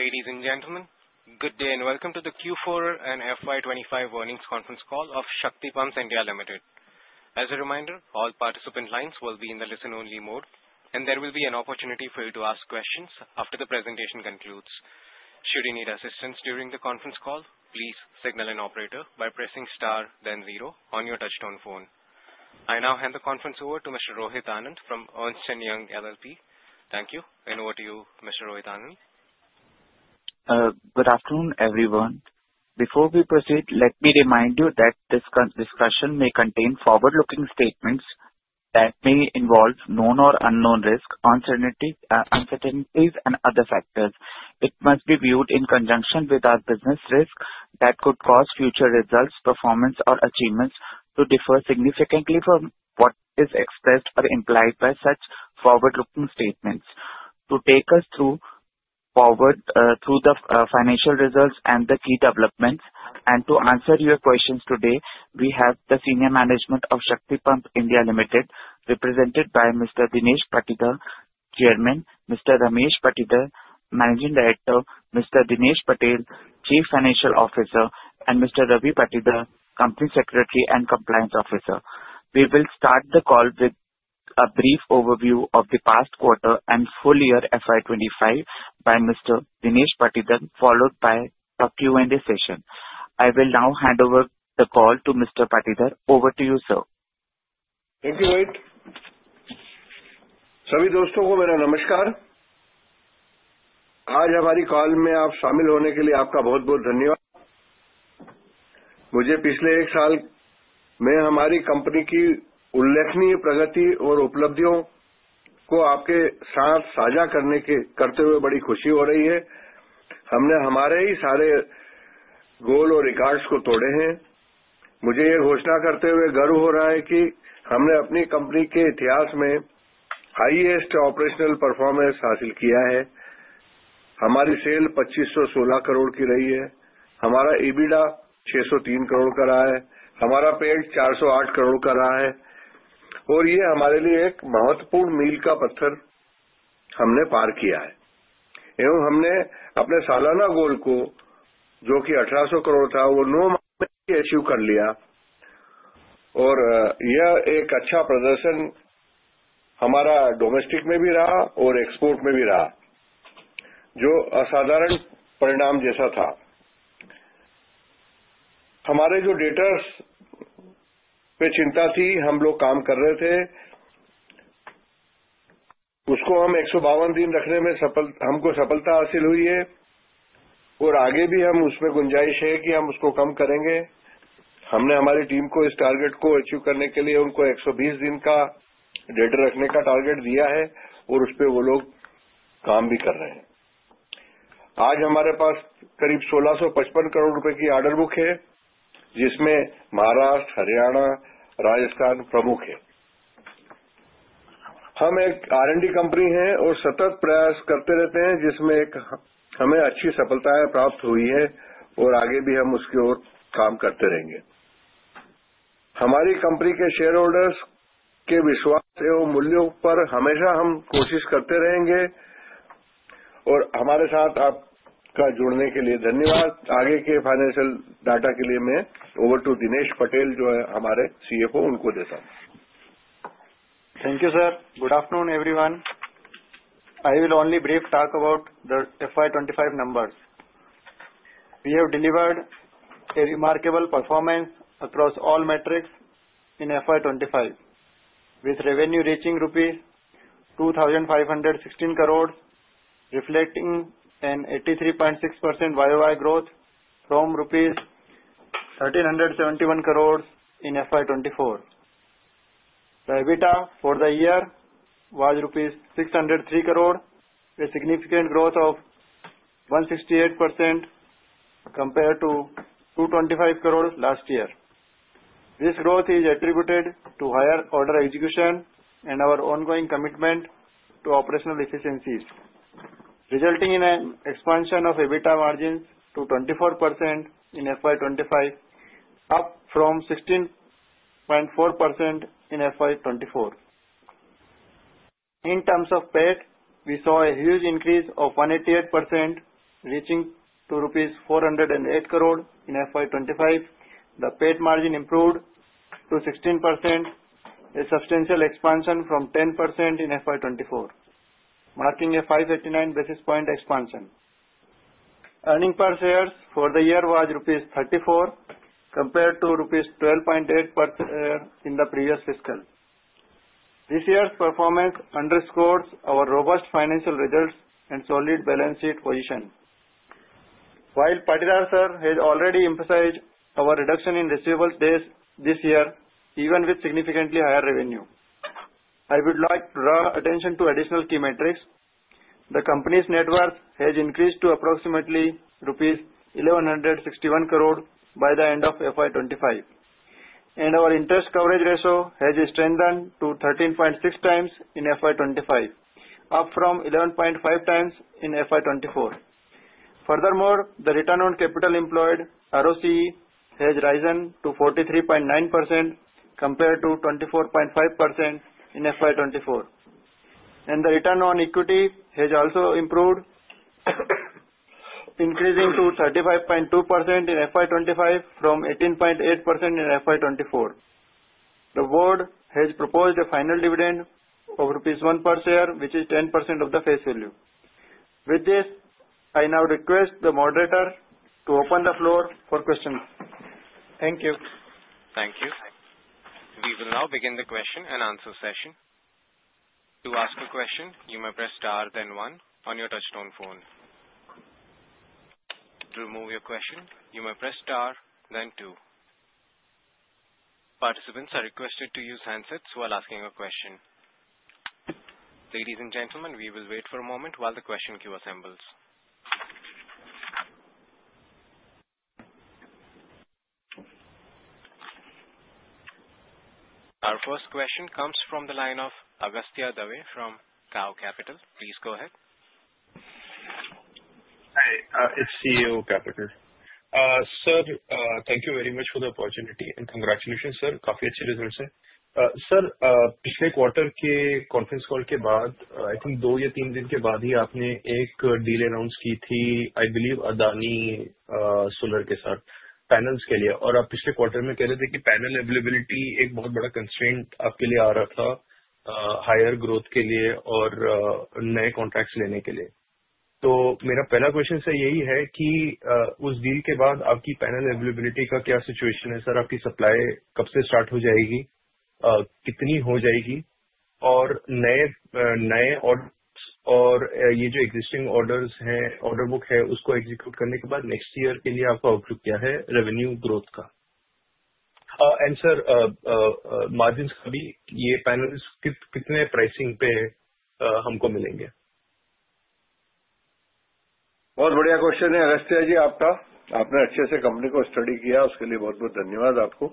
Ladies and gentlemen, good day and welcome to the Q4 and FY25 earnings conference call of Shakti Pumps India Limited. As a reminder, all participant lines will be in the listen-only mode, and there will be an opportunity for you to ask questions after the presentation concludes. Should you need assistance during the conference call, please signal an operator by pressing star, then zero on your touchstone phone. I now hand the conference over to Mr. Rohit Anand from Ernst & Young LLP. Thank you, and over to you, Mr. Rohit Anand. Good afternoon, everyone. Before we proceed, let me remind you that this discussion may contain forward-looking statements that may involve known or unknown risk, uncertainties, and other factors. It must be viewed in conjunction with our business risk that could cause future results, performance, or achievements to differ significantly from what is expressed or implied by such forward-looking statements. To take us through the financial results and the key developments, and to answer your questions today, we have the senior management of Shakti Pumps India Limited, represented by Mr. Dinesh Patidhar, Chairman; Mr. Ramesh Patidhar, Managing Director; Mr. Dinesh Patel, Chief Financial Officer; and Mr. Ravi Patidhar, Company Secretary and Compliance Officer. We will start the call with a brief overview of the past quarter and full year FY25 by Mr. Dinesh Patidhar, followed by a Q&A session. I will now hand over the call to Mr. Patidhar. Over to you, sir. Thank you, Ravi. सभी दोस्तों को मेरा नमस्कार। आज हमारी call में आप शामिल होने के लिए आपका बहुत-बहुत धन्यवाद। मुझे पिछले एक साल में हमारी कंपनी की उल्लेखनीय प्रगति और उपलब्धियों को आपके साथ साझा करते हुए बड़ी खुशी हो रही है। हमने अपने सारे गोल और रिकॉर्ड्स को तोड़े हैं। मुझे यह घोषणा करते हुए गर्व हो रहा है कि हमने अपनी कंपनी के इतिहास में हाईएस्ट ऑपरेशनल परफॉर्मेंस हासिल किया है। हमारी सेल ₹2,516 करोड़ की रही है, हमारा EBITDA ₹603 करोड़ का रहा है, हमारा PAT ₹408 करोड़ का रहा है, और यह हमारे लिए एक महत्वपूर्ण मील का पत्थर है जो हमने पार किया है। हमने अपने सालाना गोल को, जो कि ₹1,800 करोड़ था, वह 9 माह में अचीव कर लिया। यह एक अच्छा प्रदर्शन हमारा डोमेस्टिक में भी रहा और एक्सपोर्ट में भी रहा, जो असाधारण परिणाम जैसा था। हमारे जो डेब्टर्स पर चिंता थी, हम लोग काम कर रहे थे, उसको हम 152 दिन रखने में सफल हुए हैं। आगे भी हम उसमें गुंजाइश है कि हम उसको कम करेंगे। हमने हमारी टीम को इस टारगेट को अचीव करने के लिए उनको 120 दिन का डेब्टर रखने का टारगेट दिया है, और उस पर वह लोग काम भी कर रहे हैं। आज हमारे पास करीब ₹1,655 करोड़ रुपए की ऑर्डर बुक है, जिसमें महाराष्ट्र, हरियाणा, राजस्थान प्रमुख हैं। हम एक R&D कंपनी हैं और सतत प्रयास करते रहते हैं, जिसमें हमें अच्छी सफलताएं प्राप्त हुई हैं, और आगे भी हम उसकी ओर काम करते रहेंगे। हमारी कंपनी के शेयरहोल्डर्स के विश्वास एवं मूल्यों पर हमेशा हम कोशिश करते रहेंगे। हमारे साथ आपके जुड़ने के लिए धन्यवाद। आगे के फाइनेंशियल डाटा के लिए मैं ओवर टू दिनेश पटेल, जो हैं हमारे CFO, उनको देता हूं। Thank you, sir. Good afternoon, everyone. I will only briefly talk about the FY25 numbers. We have delivered a remarkable performance across all metrics in FY25, with revenue reaching ₹2,516 crores, reflecting an 83.6% YOY growth from ₹1,371 crores in FY24. EBITDA for the year was ₹603 crores, a significant growth of 168% compared to ₹225 crores last year. This growth is attributed to higher order execution and our ongoing commitment to operational efficiencies, resulting in an expansion of EBITDA margins to 24% in FY25, up from 16.4% in FY24. In terms of PAT, we saw a huge increase of 188%, reaching ₹408 crores in FY25. The PAT margin improved to 16%, a substantial expansion from 10% in FY24, marking a 539 basis point expansion. Earnings per share for the year was ₹34, compared to ₹12.8 per share in the previous fiscal. This year's performance underscores our robust financial results and solid balance sheet position. While Patidhar sir has already emphasized our reduction in receivables this year, even with significantly higher revenue, I would like to draw attention to additional key metrics. The company's net worth has increased to approximately ₹1,161 crores by the end of FY25, and our interest coverage ratio has strengthened to 13.6 times in FY25, up from 11.5 times in FY24. Furthermore, the return on capital employed (ROCE) has risen to 43.9% compared to 24.5% in FY24, and the return on equity has also improved, increasing to 35.2% in FY25 from 18.8% in FY24. The board has proposed a final dividend of ₹1 per share, which is 10% of the face value. With this, I now request the moderator to open the floor for questions. Thank you. Thank you. We will now begin the question and answer session. To ask a question, you may press star, then one, on your touchstone phone. To remove your question, you may press star, then two. Participants are requested to use handsets while asking a question. Ladies and gentlemen, we will wait for a moment while the question queue assembles. Our first question comes from the line of Agastya Dawe from Cow Capital. Please go ahead. Hi, it's CEO Gapikar. Sir, thank you very much for the opportunity, and congratulations, sir. काफी अच्छे results हैं। Sir, पिछले quarter के conference call के बाद, I think दो या तीन दिन के बाद ही आपने एक deal announce की थी, I believe, Adani Solar के साथ panels के लिए। और आप पिछले quarter में कह रहे थे कि panel availability एक बहुत बड़ा constraint आपके लिए आ रहा था, higher growth के लिए और नए contracts लेने के लिए। तो मेरा पहला question sir यही है कि उस deal के बाद आपकी panel availability का क्या situation है? Sir, आपकी supply कब से start हो जाएगी? कितनी हो जाएगी? और नए नए orders और ये जो existing orders हैं, order book है, उसको execute करने के बाद next year के लिए आपका outlook क्या है revenue growth का? और सर, मार्जिन्स का भी ये पैनल्स कितनी प्राइसिंग पे हमको मिलेंगे? बहुत बढ़िया क्वेश्चन है, अगस्त्य जी, आपका। आपने अच्छे से कंपनी को स्टडी किया, उसके लिए बहुत-बहुत धन्यवाद आपको।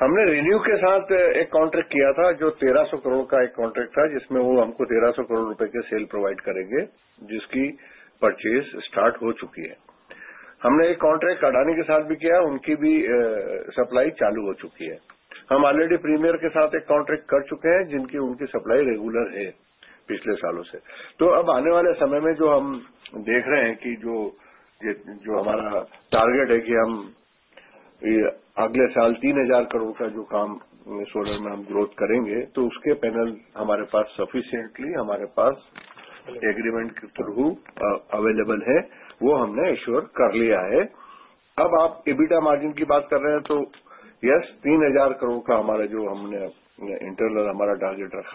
हमने रेन्यू के साथ एक कांट्रैक्ट किया था, जो INR 1,300 करोड़ का एक कांट्रैक्ट था, जिसमें वो हमको INR 1,300 करोड़ रुपए के सेल प्रोवाइड करेंगे, जिसकी परचेस स्टार्ट हो चुकी है। हमने एक कांट्रैक्ट अडानी के साथ भी किया है, उनकी भी सप्लाई चालू हो चुकी है। हम ऑलरेडी प्रीमियर के साथ एक कांट्रैक्ट कर चुके हैं, जिनकी उनकी सप्लाई रेगुलर है पिछले सालों से। तो अब आने वाले समय में जो हम देख रहे हैं कि जो हमारा टारगेट है कि हम अगले साल INR 3,000 करोड़ का जो काम सोलर में हम ग्रोथ करेंगे, तो उसके पैनल हमारे पास सफिशिएंटली, हमारे पास एग्रीमेंट के थ्रू अवेलेबल है, वो हमने एश्योर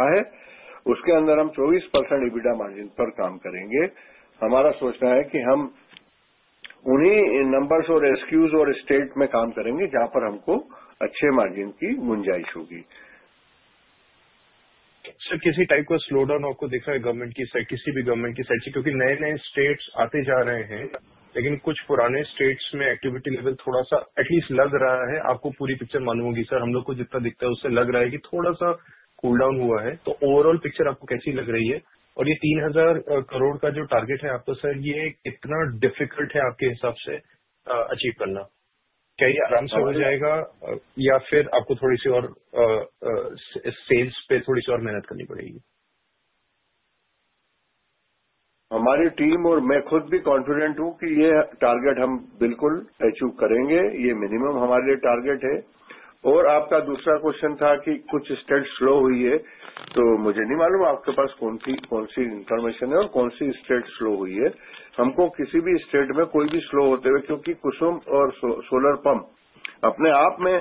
कर लिया है। अब आप EBITDA मार्जिन की बात कर रहे हैं, तो यस, INR 3,000 करोड़ का हमारा जो हमने इंटरनल हमारा टारगेट रखा है, उसके अंदर हम 24% EBITDA मार्जिन पर काम करेंगे। हमारा सोचना है कि हम उन्हीं नंबर्स और एक्सक्यूज और स्टेट में काम करेंगे, जहां पर हमको अच्छे मार्जिन की गुंजाइश होगी। सर, किसी टाइप का स्लो डाउन आपको दिख रहा है गवर्नमेंट की साइड से, किसी भी गवर्नमेंट की साइड से? क्योंकि नए-नए स्टेट्स आते जा रहे हैं, लेकिन कुछ पुराने स्टेट्स में एक्टिविटी लेवल थोड़ा सा कम लग रहा है। आपको पूरी पिक्चर मालूम होगी। सर, हम लोगों को जितना दिखता है, उससे लग रहा है कि थोड़ा सा कूल डाउन हुआ है। तो ओवरऑल पिक्चर आपको कैसी लग रही है? और ये ₹3,000 करोड़ का जो टारगेट है आपका, सर, ये कितना डिफिकल्ट है आपके हिसाब से अचीव करना? क्या ये आराम से हो जाएगा या फिर आपको सेल्स पे थोड़ी सी और मेहनत करनी पड़ेगी? हमारी टीम और मैं खुद भी कॉन्फिडेंट हूं कि ये टारगेट हम बिल्कुल अचीव करेंगे। ये मिनिमम हमारे लिए टारगेट है। आपका दूसरा क्वेश्चन था कि कुछ स्टेट स्लो हुई है, तो मुझे नहीं मालूम आपके पास कौन सी कौन सी इंफॉर्मेशन है और कौन सी स्टेट स्लो हुई है। हमको किसी भी स्टेट में कोई भी स्लो होते हुए नहीं दिख रहा, क्योंकि कुसुम और सोलर पंप अपने आप में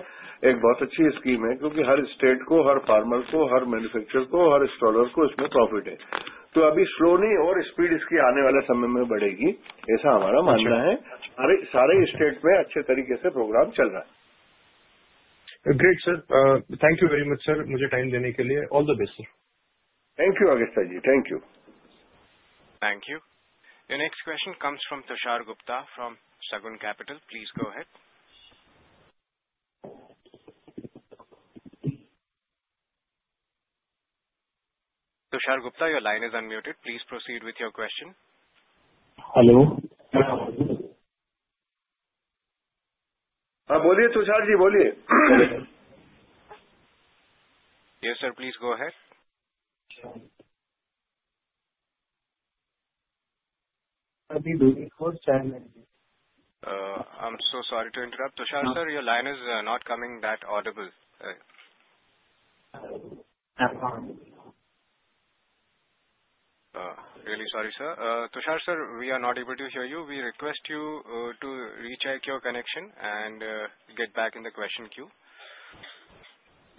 एक बहुत अच्छी स्कीम है, क्योंकि हर स्टेट को, हर फार्मर को, हर मैन्युफैक्चरर को, हर इंस्टॉलर को इसमें प्रॉफिट है। तो अभी स्लो नहीं है और स्पीड इसकी आने वाले समय में बढ़ेगी, ऐसा हमारा मानना है। सारे स्टेट में अच्छे तरीके से प्रोग्राम चल रहा है। Great, sir. Thank you very much, sir, मुझे टाइम देने के लिए। All the best, sir. Thank you, Agastya ji. Thank you. Thank you. Next question comes from Tushar Gupta from Sagun Capital. Please go ahead. Tushar Gupta, your line is unmuted. Please proceed with your question. Hello. बोलिए, तुषार जी, बोलिए। Yes, sir, please go ahead. I am so sorry to interrupt, Tushar sir. Your line is not coming that audible. Really sorry, sir. Tushar sir, we are not able to hear you. We request you to recheck your connection and get back in the question queue.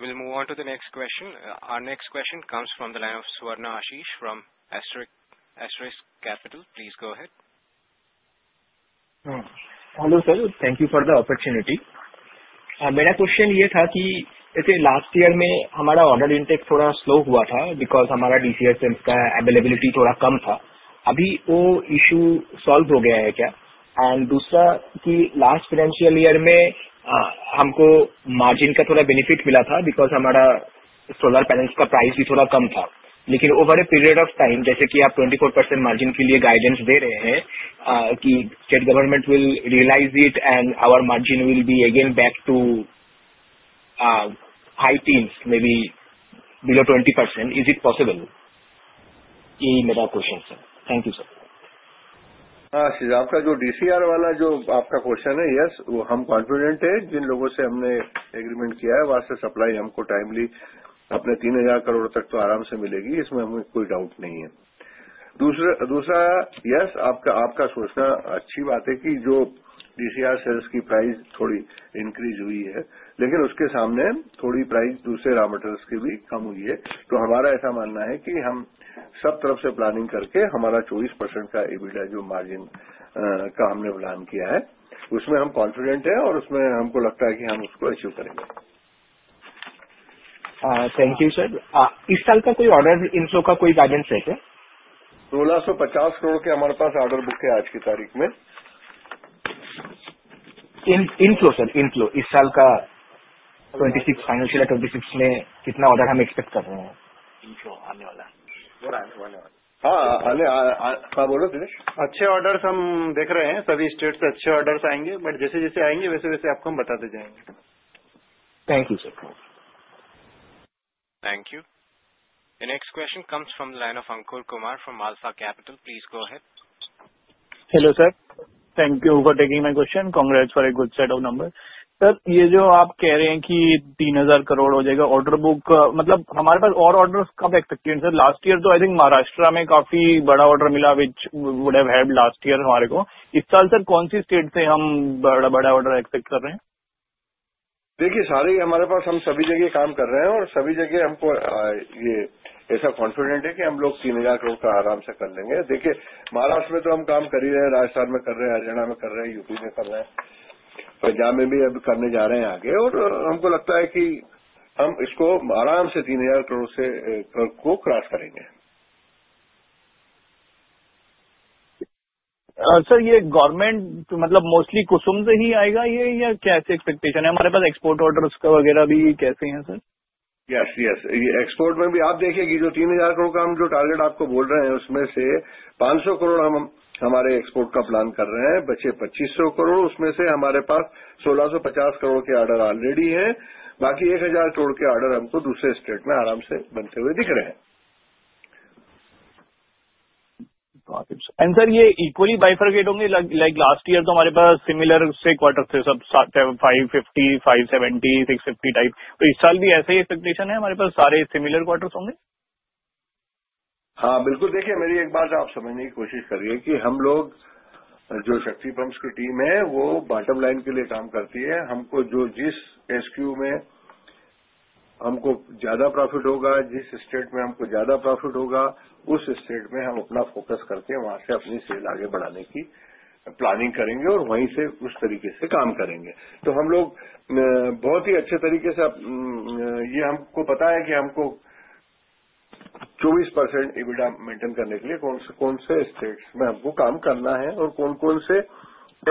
We will move on to the next question. Our next question comes from the line of Suvarna Ashish from Estis Capital. Please go ahead. Hello, sir. Thank you for the opportunity. मेरा question ये था कि last year में हमारा order intake थोड़ा slow हुआ था, क्योंकि हमारा DCL का अवेलेबिलिटी थोड़ा कम था। अभी वो इशू सॉल्व हो गया है क्या? और दूसरा कि लास्ट फाइनेंशियल ईयर में हमको मार्जिन का थोड़ा बेनिफिट मिला था, क्योंकि हमारा सोलर पैनल्स का प्राइस भी थोड़ा कम था। लेकिन over a period of time, जैसे कि आप 24% मार्जिन के लिए गाइडेंस दे रहे हैं कि state government will realise it और our margin will be again back to high teens, may be below 20%। Is it possible? ये मेरा क्वेश्चन है, सर। Thank you, sir. आपका जो DCR वाला जो आपका क्वेश्चन है, यस, वो हम कॉन्फिडेंट हैं। जिन लोगों से हमने एग्रीमेंट किया है, वहां से सप्लाई हमको टाइमली अपने INR 3,000 करोड़ तक तो आराम से मिलेगी, इसमें हमें कोई डाउट नहीं है। दूसरा, आपका सोचना अच्छी बात है कि जो DCR सेल्स की प्राइस थोड़ी इंक्रीज हुई है, लेकिन उसके सामने थोड़ी प्राइस दूसरे राउंडर्स की भी कम हुई है। तो हमारा ऐसा मानना है कि हम सब तरफ से प्लानिंग करके हमारा 24% का EBITDA जो मार्जिन का हमने प्लान किया है, उसमें हम कॉन्फिडेंट हैं और उसमें हमको लगता है कि हम उसको अचीव करेंगे। Thank you, sir. इस साल का कोई ऑर्डर इनफ्लो का कोई गाइडेंस है क्या? आज की तारीख में हमारे पास INR 1650 करोड़ का ऑर्डर बुक है। इनफ्लो, सर, इनफ्लो इस साल का FY26 में कितना ऑर्डर हम एक्सपेक्ट कर रहे हैं? इनफ्लो आने वाला है। आने वाला है। हां, आने बोलो, दिनेश। अच्छे ऑर्डर्स हम देख रहे हैं, सभी स्टेट से अच्छे ऑर्डर्स आएंगे, बट जैसे-जैसे आएंगे, वैसे-वैसे आपको हम बताते जाएंगे। धन्यवाद, sir. Thank you. Next question comes from the line of Ankur Kumar from Malsa Capital. Please go ahead. Hello, sir. Thank you for taking my question. Congrats for a good set of numbers. Sir, ये जो आप कह रहे हैं कि ₹3,000 करोड़ हो जाएगा order book, मतलब हमारे पास और ऑर्डर्स कब एक्सपेक्टेड हैं? सर, लास्ट ईयर तो आई थिंक महाराष्ट्र में काफी बड़ा ऑर्डर मिला, which would have helped last year हमको। इस साल, सर, कौन सी स्टेट से हम बड़े-बड़े ऑर्डर एक्सपेक्ट कर रहे हैं? देखिए, सारे ही हमारे पास, हम सभी जगह काम कर रहे हैं और सभी जगह हमको ये ऐसा कॉन्फिडेंस है कि हम लोग ₹3,000 करोड़ का आराम से कर लेंगे। देखिए, महाराष्ट्र में तो हम काम कर ही रहे हैं, राजस्थान में कर रहे हैं, हरियाणा में कर रहे हैं, यूपी में कर रहे हैं, पंजाब में भी अब करने जा रहे हैं आगे। हमको लगता है कि हम इसको आराम से ₹3,000 करोड़ से को क्रॉस करेंगे। सर, ये गवर्नमेंट मतलब मोस्टली कुसुम से ही आएगा, ये या कैसे एक्सपेक्टेशन है? हमारे पास एक्सपोर्ट ऑर्डर्स का वगैरह भी कैसे हैं, सर? हाँ, हाँ, यह एक्सपोर्ट में भी आप देखिए कि जो ₹3,000 करोड़ का हम जो टारगेट आपको बोल रहे हैं, उसमें से ₹500 करोड़ हम हमारे एक्सपोर्ट का प्लान कर रहे हैं। बचे ₹2,500 करोड़, उसमें से हमारे पास ₹1,650 करोड़ के ऑर्डर ऑलरेडी हैं। बाकी ₹1,000 करोड़ के ऑर्डर हमको दूसरे स्टेट में आराम से बनते हुए दिख रहे हैं। और सर, ये equally bifurcate होंगे, like last year तो हमारे पास similar से quarters थे, सब 550, 570, 650 type। तो इस साल भी ऐसे ही expectation है हमारे पास, सारे similar quarters होंगे? हां, बिल्कुल। देखिए, मेरी एक बात आप समझने की कोशिश करिए कि हम लोग जो शक्ति पंप्स की टीम है, वो बॉटम लाइन के लिए काम करती है। हमको जो जिस SKU में हमको ज्यादा प्रॉफिट होगा, जिस स्टेट में हमको ज्यादा प्रॉफिट होगा, उस स्टेट में हम अपना फोकस करके वहां से अपनी सेल आगे बढ़ाने की प्लानिंग करेंगे और वहीं से उस तरीके से काम करेंगे। तो हम लोग बहुत ही अच्छे तरीके से, आप ये हमको पता है कि हमको 24% EBITDA मेंटेन करने के लिए कौन से-कौन से स्टेट्स में हमको काम करना है और कौन-कौन से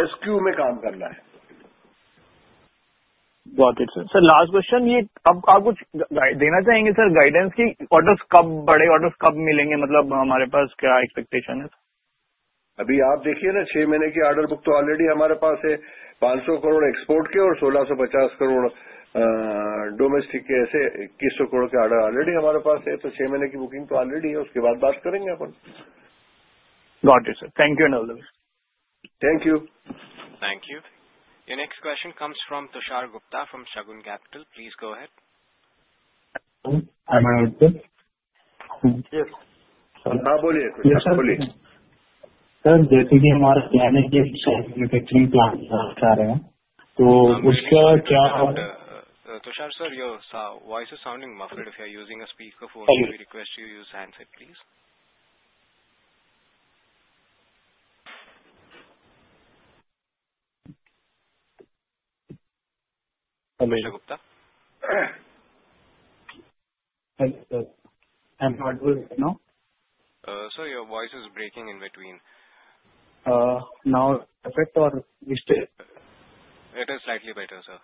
SKU में काम करना है। Got it, sir. Sir, last question, ये आप कुछ देना चाहेंगे, सर, गाइडेंस कि ऑर्डर्स कब बड़े ऑर्डर्स कब मिलेंगे, मतलब हमारे पास क्या एक्सपेक्टेशन है? अभी आप देखिए ना, छह महीने की ऑर्डर बुक तो ऑलरेडी हमारे पास है, ₹500 करोड़ एक्सपोर्ट के और ₹1,650 करोड़ डोमेस्टिक के, ऐसे ₹2,100 करोड़ के ऑर्डर ऑलरेडी हमारे पास है। तो छह महीने की बुकिंग तो ऑलरेडी है, उसके बाद बात करेंगे अपन। Got it, sir. Thank you and all the best. धन्यवाद। Thank you. Next question comes from Tushar Gupta from Sagun Capital. Please go ahead. जी हां, सर। हां, बोलिए, सर। बोलिए, सर। जैसे कि हमारा प्लान है कि एक सेल्फ मैन्युफैक्चरिंग प्लान कर रहे हैं, तो उसका क्या? तुषार सर, आपकी आवाज़ दबी हुई लग रही है। यदि आप स्पीकर फोन का उपयोग कर रहे हैं, तो कृपया हैंडसेट का उपयोग करें। Gupta, sir, I am not good. No, sir, your voice is breaking in between. Now, effect और स्टेट? यह थोड़ा बेहतर है, सर।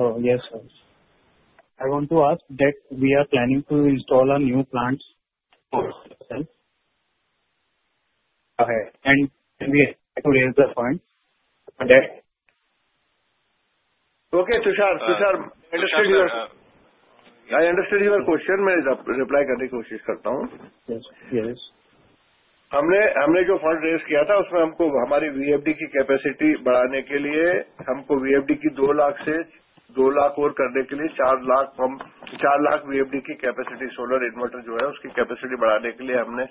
ओह, हाँ, सर। मैं पूछना चाहता हूँ कि हम नए प्लांट्स इंस्टॉल करने की योजना बना रहे हैं। और हम पॉइंट को बढ़ाने की कोशिश कर रहे हैं। Okay, Tushar, Tushar, I understand your question. मैं रिप्लाई करने की कोशिश करता हूं। हाँ, हाँ। हमने जो फंड रेज किया था, उसमें हमको हमारी VFD की कैपेसिटी बढ़ाने के लिए, हमको VFD की 2 लाख से 4 लाख करने के लिए 4 लाख VFD की कैपेसिटी सोलर इन्वर्टर जो है, उसकी कैपेसिटी बढ़ाने के लिए हमने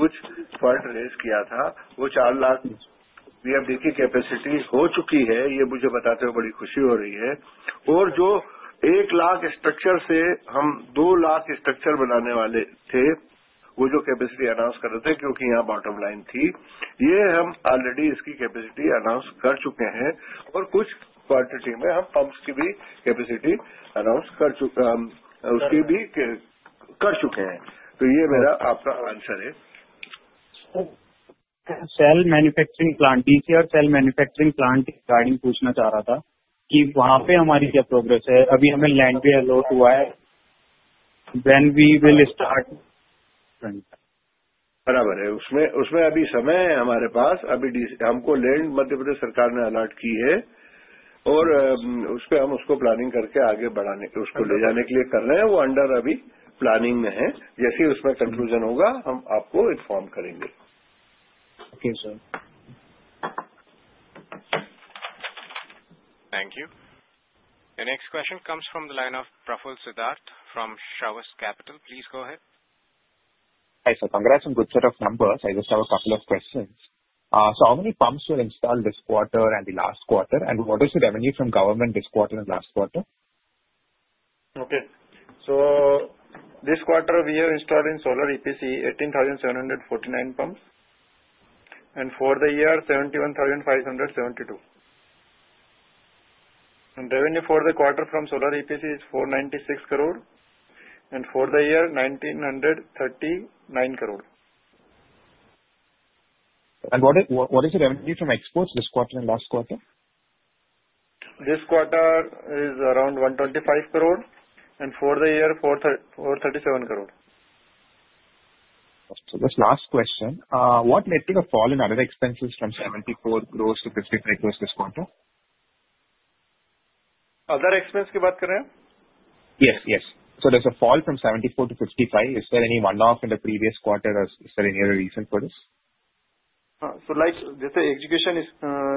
कुछ फंड रेज किया था। वो 4 लाख VFD की कैपेसिटी हो चुकी है। यह मुझे बताते हुए बड़ी खुशी हो रही है। और जो 1 लाख स्ट्रक्चर से हम 2 लाख स्ट्रक्चर बनाने वाले थे, वो जो कैपेसिटी अनाउंस कर रहे थे, क्योंकि यहां बॉटम लाइन थी, ये हम ऑलरेडी इसकी कैपेसिटी अनाउंस कर चुके हैं। और कुछ क्वांटिटी में हम पंप्स की भी कैपेसिटी अनाउंस कर चुके, हम उसकी भी कर चुके हैं। तो ये मेरा आपका आंसर है। Cell manufacturing plant, DCR cell manufacturing plant के रिगार्डिंग पूछना चाह रहा था कि वहां पे हमारी क्या प्रोग्रेस है। अभी हमें लैंड भी अलॉट हुआ है। When we will start? बराबर है। उसमें अभी समय है हमारे पास। अभी हमको लैंड मध्य प्रदेश सरकार ने अलॉट की है और उस पे हम उसको प्लानिंग करके आगे बढ़ाने, उसको ले जाने के लिए कर रहे हैं। वो अभी प्लानिंग में है। जैसे ही उसमें कंक्लूजन होगा, हम आपको इन्फॉर्म करेंगे। Okay, sir. Thank you. Next question comes from the line of Praful Siddharth from Shraves Capital. Please go ahead. Hi, sir. Congrats, good set of numbers. I just have a couple of questions. How many pumps you will install this quarter and the last quarter? And what is the revenue from government this quarter and last quarter? Okay. This quarter we have installed in solar EPC 18,749 pumps and for the year 71,572। And revenue for the quarter from solar EPC is INR 496 crore and for the year INR 1,939 crore. And what is the revenue from exports this quarter and last quarter? This quarter is around INR 125 crore and for the year INR 437 crore. Just last question, what neatly the fall in other expenses from INR 74 करोड़ to INR 55 crore this quarter? Other expense की बात कर रहे हैं आप? Yes, yes. There is a fall from 74 to 55। Is there any one off in the previous quarter? Is there any reason for this? हां, so like जैसे execution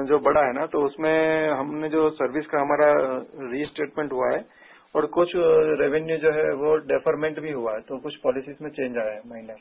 जो बड़ा है ना, तो उसमें हमने जो सर्विस का हमारा रिस्टेटमेंट हुआ है और कुछ रेवेन्यू जो है, वो डेफरमेंट भी हुआ है। तो कुछ पॉलिसीज में चेंज आया है, minor.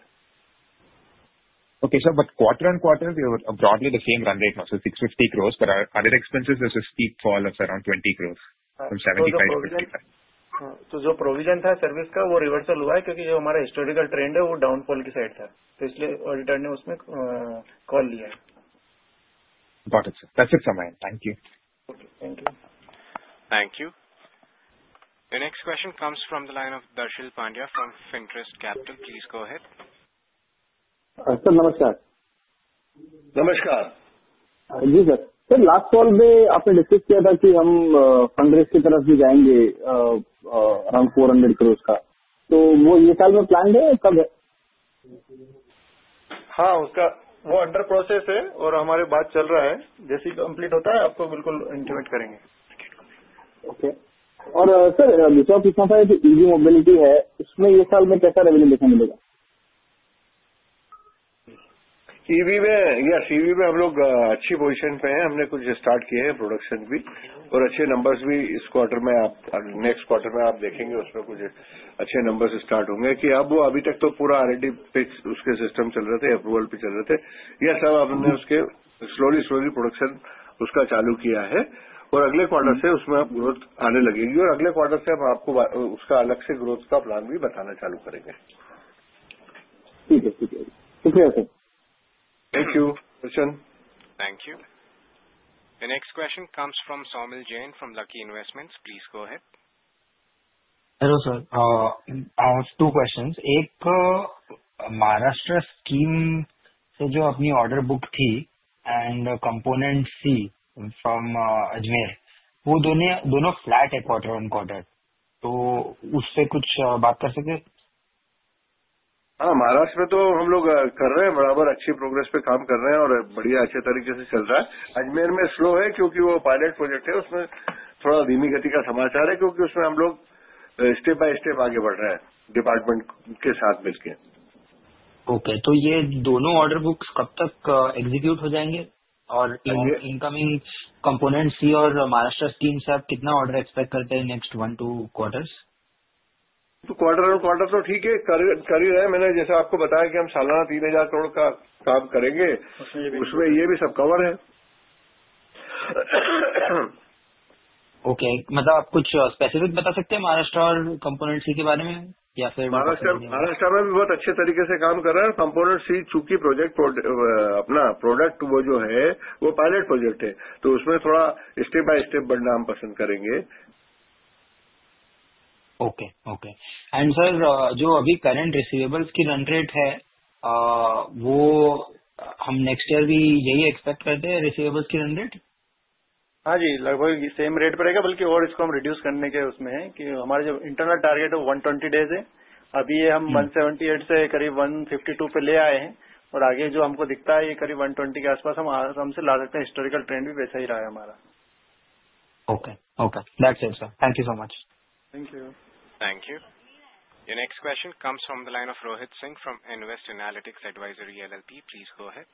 Next question comes from the line of Rohit Singh from Invest Analytics Advisory LLP. Please go ahead.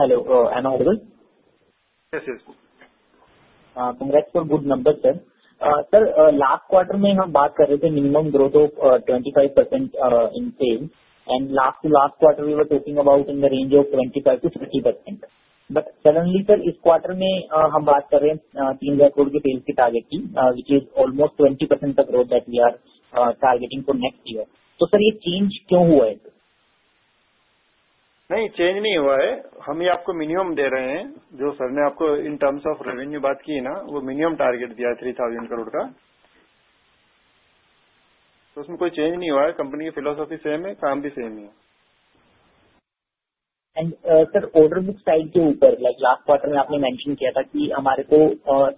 Hello, and audible? हाँ, हाँ। Congrats for good numbers, sir. Sir, last quarter में हम बात कर रहे थे minimum growth of 25% in sales and last to last quarter we were talking about in the range of 25 to 30%। But suddenly, sir, इस quarter में हम बात कर रहे हैं INR 3000 करोड़ के सेल्स के टारगेट की, which is almost 20% the growth that we are targeting for next year. तो सर, ये चेंज क्यों हुआ है? नहीं, चेंज नहीं हुआ है। हम ये आपको मिनिमम दे रहे हैं जो सर ने आपको इन टर्म्स ऑफ रेवेन्यू बात की है ना, वो मिनिमम टारगेट दिया है ₹3,000 करोड़ का। तो उसमें कोई चेंज नहीं हुआ है। कंपनी की फिलॉसफी सेम है, काम भी सेम ही है। और सर, ऑर्डर बुक साइड के ऊपर, लाइक लास्ट क्वार्टर में आपने मेंशन किया था कि हमारे को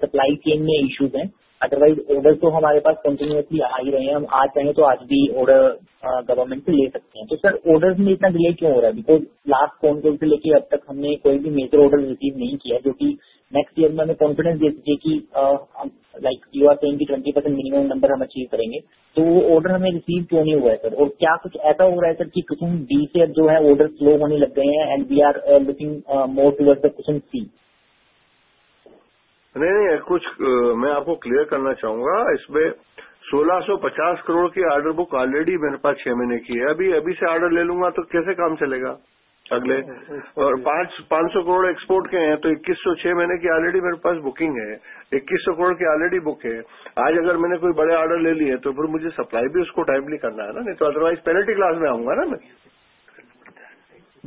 सप्लाई चेन में इश्यूज हैं। अदरवाइज, ऑर्डर्स तो हमारे पास कंटीन्यूअसली आ ही रहे हैं। हम आज चाहे तो आज भी ऑर्डर गवर्नमेंट से ले सकते हैं। तो सर, ऑर्डर्स में इतना डिले क्यों हो रहा है? बिकॉज़ लास्ट फोन कॉल से लेके अब तक हमने कोई भी मेजर ऑर्डर रिसीव नहीं किया है, जो कि नेक्स्ट ईयर में हमें कॉन्फिडेंस दे सकती है कि हम, लाइक यू आर सेइंग, कि 20% मिनिमम नंबर हम अचीव करेंगे। तो वो ऑर्डर हमें रिसीव क्यों नहीं हुआ है, सर? और क्या कुछ ऐसा हो रहा है, सर, कि कुशन डी से अब जो है, ऑर्डर स्लो होने लग गए हैं and we are looking more towards the Kusum C? नहीं, नहीं, कुछ मैं आपको क्लियर करना चाहूंगा। इसमें INR 1,650 करोड़ की ऑर्डर बुक ऑलरेडी मेरे पास छह महीने की है। अभी, अभी से ऑर्डर ले लूंगा तो कैसे काम चलेगा? अगले और INR 500 करोड़ एक्सपोर्ट के हैं, तो 21 महीने की ऑलरेडी मेरे पास बुकिंग है। INR 2,100 करोड़ की ऑलरेडी बुक है। आज अगर मैंने कोई बड़े ऑर्डर ले लिए, तो फिर मुझे सप्लाई भी उसको टाइमली करना है ना? नहीं तो अदरवाइज पेनल्टी क्लास में आऊंगा ना मैं?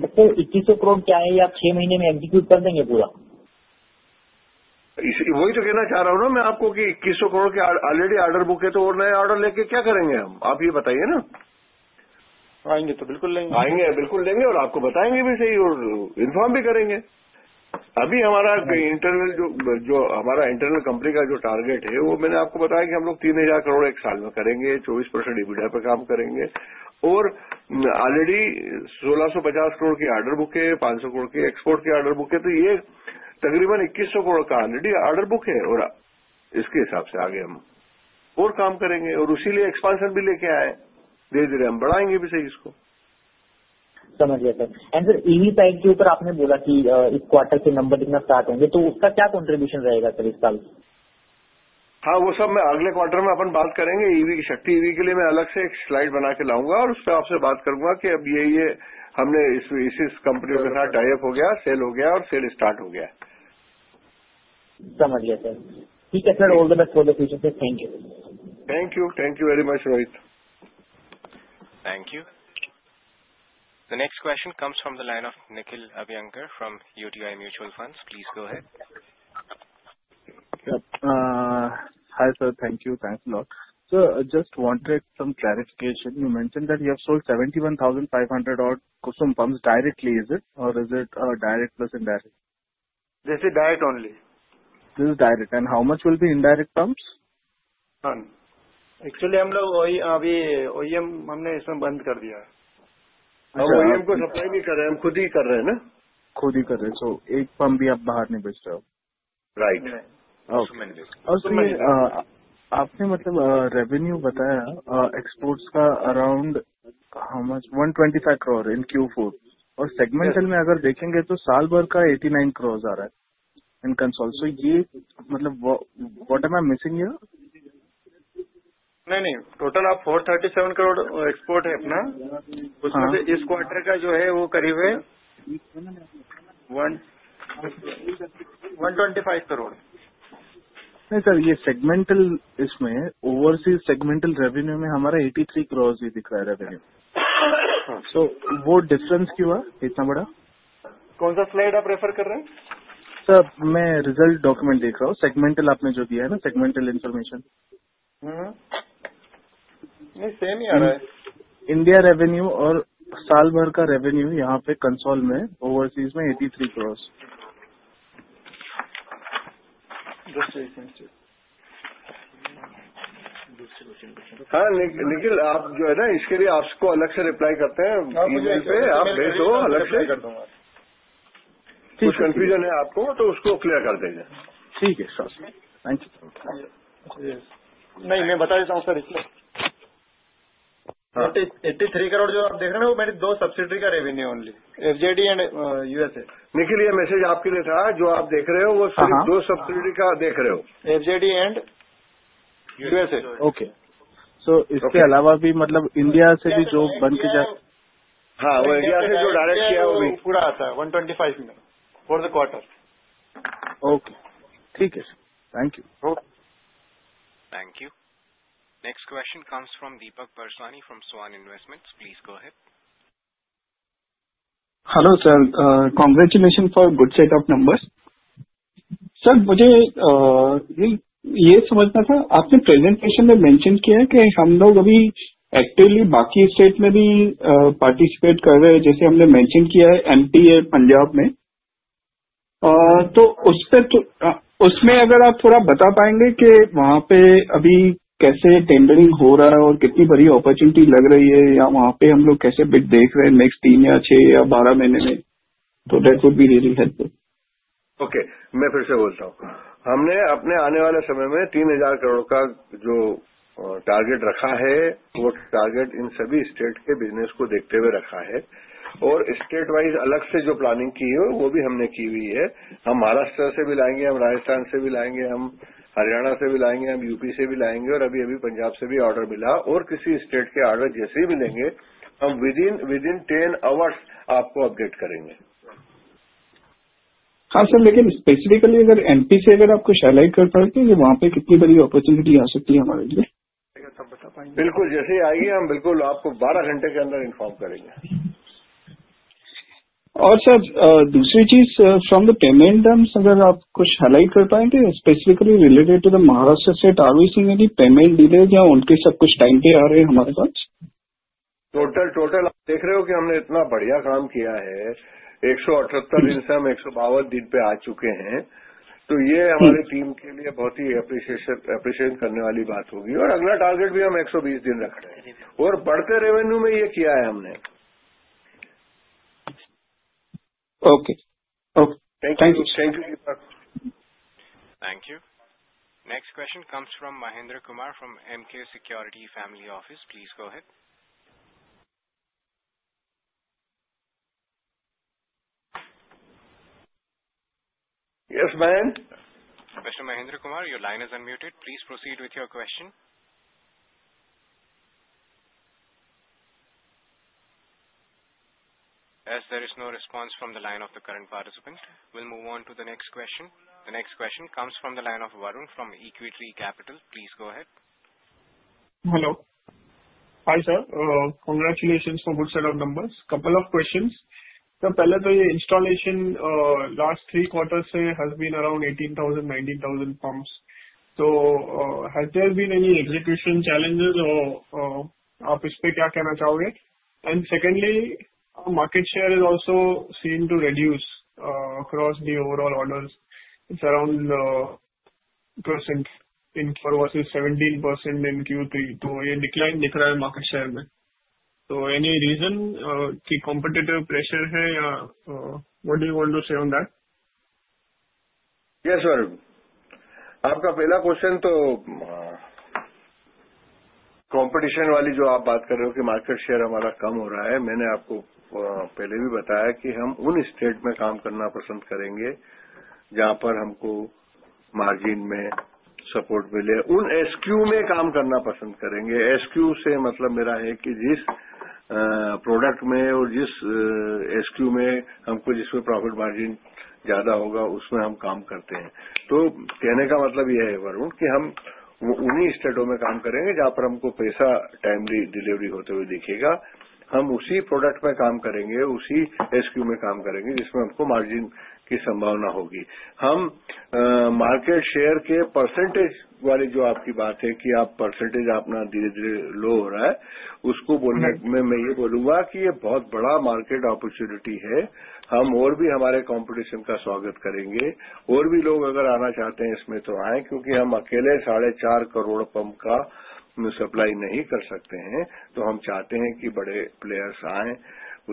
सर, ₹2100 करोड़ क्या है? ये आप छह महीने में एग्जीक्यूट कर देंगे पूरा? इसी वही तो कहना चाह रहा हूं ना मैं आपको कि ₹2100 करोड़ के ऑलरेडी ऑर्डर बुक है, तो और नए ऑर्डर लेके क्या करेंगे हम? आप ये बताइए ना। आएंगे तो बिल्कुल लेंगे। आएंगे, बिल्कुल लेंगे और आपको बताएंगे भी सही और इन्फॉर्म भी करेंगे। अभी हमारा इंटरनल, जो जो हमारा इंटरनल कंपनी का जो टारगेट है, वो मैंने आपको बताया कि हम लोग ₹3,000 करोड़ एक साल में करेंगे, 24% EBITDA पे काम करेंगे और ऑलरेडी ₹1,650 करोड़ की ऑर्डर बुक है, ₹500 करोड़ की एक्सपोर्ट की ऑर्डर बुक है। तो ये तकरीबन ₹2,100 करोड़ का ऑलरेडी ऑर्डर बुक है और इसके हिसाब से आगे हम और काम करेंगे। उसी लिए एक्सपांशन भी लेके आए हैं, धीरे-धीरे हम बढ़ाएंगे भी सही इसको। समझ गया, सर। और सर, EV साइड के ऊपर आपने बोला कि इस क्वार्टर के नंबर दिखना स्टार्ट होंगे, तो उसका क्या कंट्रिब्यूशन रहेगा, सर, इस साल? हां, वो सब मैं अगले क्वार्टर में आपसे बात करूंगा। ईवी की शक्ति ईवी के लिए मैं अलग से एक स्लाइड बना के लाऊंगा और उस पे आपसे बात करूंगा कि अब ये ये हमने इस इस कंपनी के साथ टाई अप हो गया, सेल हो गया और सेल स्टार्ट हो गया है। समझ गया, सर। ठीक है, sir. All the best for the future. Thank you. Thank you, thank you very much, Rohit. Thank you. The next question comes from the line of Nikhil Abhyankar from UTI Mutual Funds. Please go ahead. Hi, sir. Thank you, thanks a lot. Sir, just wanted some clarification. You mention that you have sold 71,500 Kusum pumps directly. Is it direct plus indirect? यह direct only है। यह direct है। और कितना indirect pumps होगा? नहीं। Actually, हम लोग वही अभी OEM हमने इसमें बंद कर दिया है। हम OEM को supply भी कर रहे हैं, हम खुद ही कर रहे हैं ना? खुद ही कर रहे हैं। तो, एक पंप भी आप बाहर नहीं बेच रहे हो? राइट। राइट। और सुमन जी, आपने मतलब रेवेन्यू बताया एक्सपोर्ट्स का around how much? INR 125 crore in Q4। और सेगमेंटल में अगर देखेंगे तो साल भर का INR 89 करोड़ आ रहा है इन कंसोलिडेटेड। तो, ये मतलब what am I missing here? नहीं, नहीं। टोटल आप ₹437 करोड़ एक्सपोर्ट है अपना, उसमें से इस quarter Next question comes from Mahendra Kumar from MK Security Family Office. Please go ahead. हाँ, madam. Mister Mahendra Kumar, your line is unmuted. Please proceed with your question. As there is no response from the line of the current participant, we will move on to the next question. The next question comes from the line of Varun from equity capital. Please go ahead. Hello, hi sir. Congratulations for good set of numbers. Couple of questions. Sir, पहले तो ये installation last three quarters से has been around 18,000, 19,000 pumps. Has there been any execution challenges? और आप इस पे क्या कहना चाहोगे? Secondly, market share is also seem to reduce across the overall orders. It's around 15% in versus 17% in Q3। तो ये डिक्लाइन दिख रहा है मार्केट शेयर में। एनी रीजन कि कॉम्पिटिटिव प्रेशर है या what do you want to say on that? जी हाँ, सर। आपका पहला प्रश्न तो प्रतिस्पर्धा वाली जो आप बात कर रहे हैं कि मार्केट शेयर हमारा कम हो रहा है, मैंने आपको पहले भी बताया कि हम उन राज्यों में काम करना पसंद करेंगे जहाँ पर हमको मार्जिन में सपोर्ट मिले। उन SKU में काम करना पसंद करेंगे। SKU से मतलब मेरा है कि जिस प्रोडक्ट में और जिस SKU में हमको जिसमें प्रॉफिट मार्जिन ज्यादा होगा, उसमें हम काम करते हैं। तो कहने का मतलब यह है, वरुण, कि हम वो उन्हीं राज्यों में काम करेंगे जहाँ पर हमको पैसा टाइमली डिलीवरी होते हुए दिखेगा। हम उसी प्रोडक्ट में काम करेंगे, उसी SKU में काम करेंगे, जिसमें हमको मार्जिन की संभावना होगी। हम मार्केट शेयर के प्रतिशत वाली जो आपकी बात है कि आप प्रतिशत अपना धीरे-धीरे कम हो रहा है, उसको बोलने में मैं ये बोलूंगा कि ये बहुत बड़ा मार्केट अपॉर्चुनिटी है। हम और भी हमारे प्रतिस्पर्धियों का स्वागत करेंगे। और भी लोग अगर आना चाहते हैं इसमें, तो आएं क्योंकि हम अकेले 45 करोड़ पंप का सप्लाई नहीं कर सकते हैं। तो हम चाहते हैं कि बड़े प्लेयर्स आएं,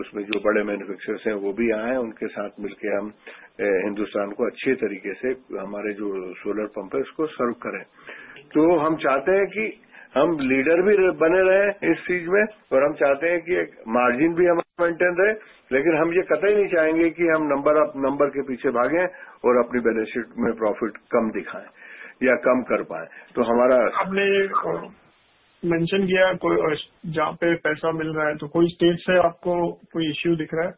उसमें जो बड़े मैन्युफैक्चरर्स हैं, वो भी आएं। उनके साथ मिलकर हम हिंदुस्तान को अच्छे तरीके से हमारे जो सोलर पंप हैं, उसको सर्व करें। तो हम चाहते हैं कि हम लीडर भी बने रहें इस चीज में और हम चाहते हैं कि एक मार्जिन भी हमारा मेंटेन रहे। लेकिन हम ये कतई नहीं चाहेंगे कि हम नंबर ऑफ नंबर के पीछे भागें और अपनी बेनिफिट में प्रॉफिट कम दिखाएं या कम कर पाएं। आपने मेंशन किया कोई जहां पे पैसा मिल रहा है, तो कोई स्टेट से आपको कोई इश्यू दिख रहा है?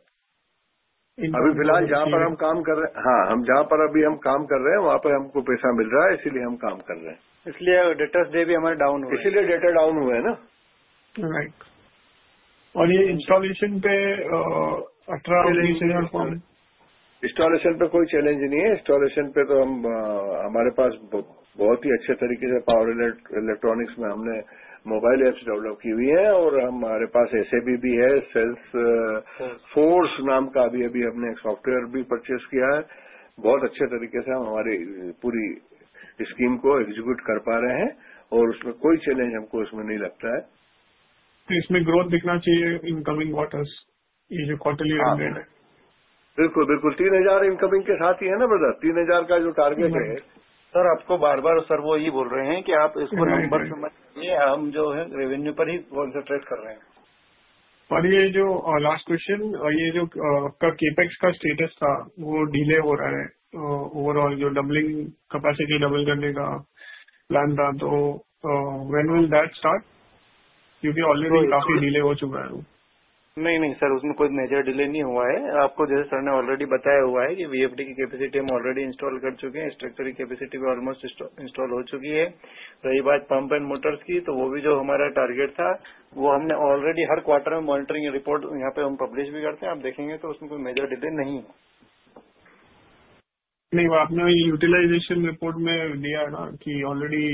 अभी फिलहाल जहां पर हम काम कर रहे हैं, हम जहां पर अभी काम कर रहे हैं, वहां पर हमको पैसा मिल रहा है, इसीलिए हम काम कर रहे हैं। इसलिए डेटा डे भी हमारे डाउन हुए हैं। इसीलिए डेटा डाउन हुए हैं, ना? राइट। और ये इंस्टॉलेशन पे 18,000 पंप। इंस्टॉलेशन पे कोई चैलेंज नहीं है। इंस्टॉलेशन पे तो हमारे पास बहुत ही अच्छे तरीके से पावर इलेक्ट्रॉनिक्स में हमने मोबाइल एप्स डेवलप की हुई है और हमारे पास SAP भी है। Salesforce नाम का अभी-अभी हमने एक सॉफ्टवेयर भी purchase किया है। बहुत अच्छे तरीके से हम हमारी पूरी स्कीम को execute कर पा रहे हैं और उसमें कोई चैलेंज हमको उसमें नहीं लगता है। तो इसमें ग्रोथ दिखना चाहिए इनकमिंग क्वार्टर्स में। ये जो क्वार्टरली एंडेड है। बिल्कुल, बिल्कुल। ₹3,000 इनकमिंग के साथ ही है, ना, ब्रदर? ₹3,000 का जो टारगेट है। सर, आपको बार-बार सर वो यही बोल रहे हैं कि आप इसको नंबर समझिए। हम जो है रेवेन्यू पर ही कंसंट्रेट कर रहे हैं। और ये जो लास्ट क्वेश्चन, ये जो आपका CAPEX का स्टेटस था, वो delay हो रहा है। Overall जो doubling capacity double करने का plan था, तो when will that start? क्योंकि already काफी delay हो चुका है। नहीं, नहीं, सर, उसमें कोई मेजर डिले नहीं हुआ है। आपको जैसे सर ने ऑलरेडी बताया हुआ है कि VFD की कैपेसिटी हम ऑलरेडी इंस्टॉल कर चुके हैं। स्ट्रक्चर की कैपेसिटी भी ऑलमोस्ट इंस्टॉल हो चुकी है। रही बात पंप एंड मोटर्स की, तो वो भी जो हमारा टारगेट था, वो हमने ऑलरेडी हर क्वार्टर में मॉनिटरिंग रिपोर्ट यहां पे हम पब्लिश भी करते हैं। आप देखेंगे तो उसमें कोई मेजर डिले नहीं है। नहीं, वो आपने यूटिलाइजेशन रिपोर्ट में दिया है ना कि ऑलरेडी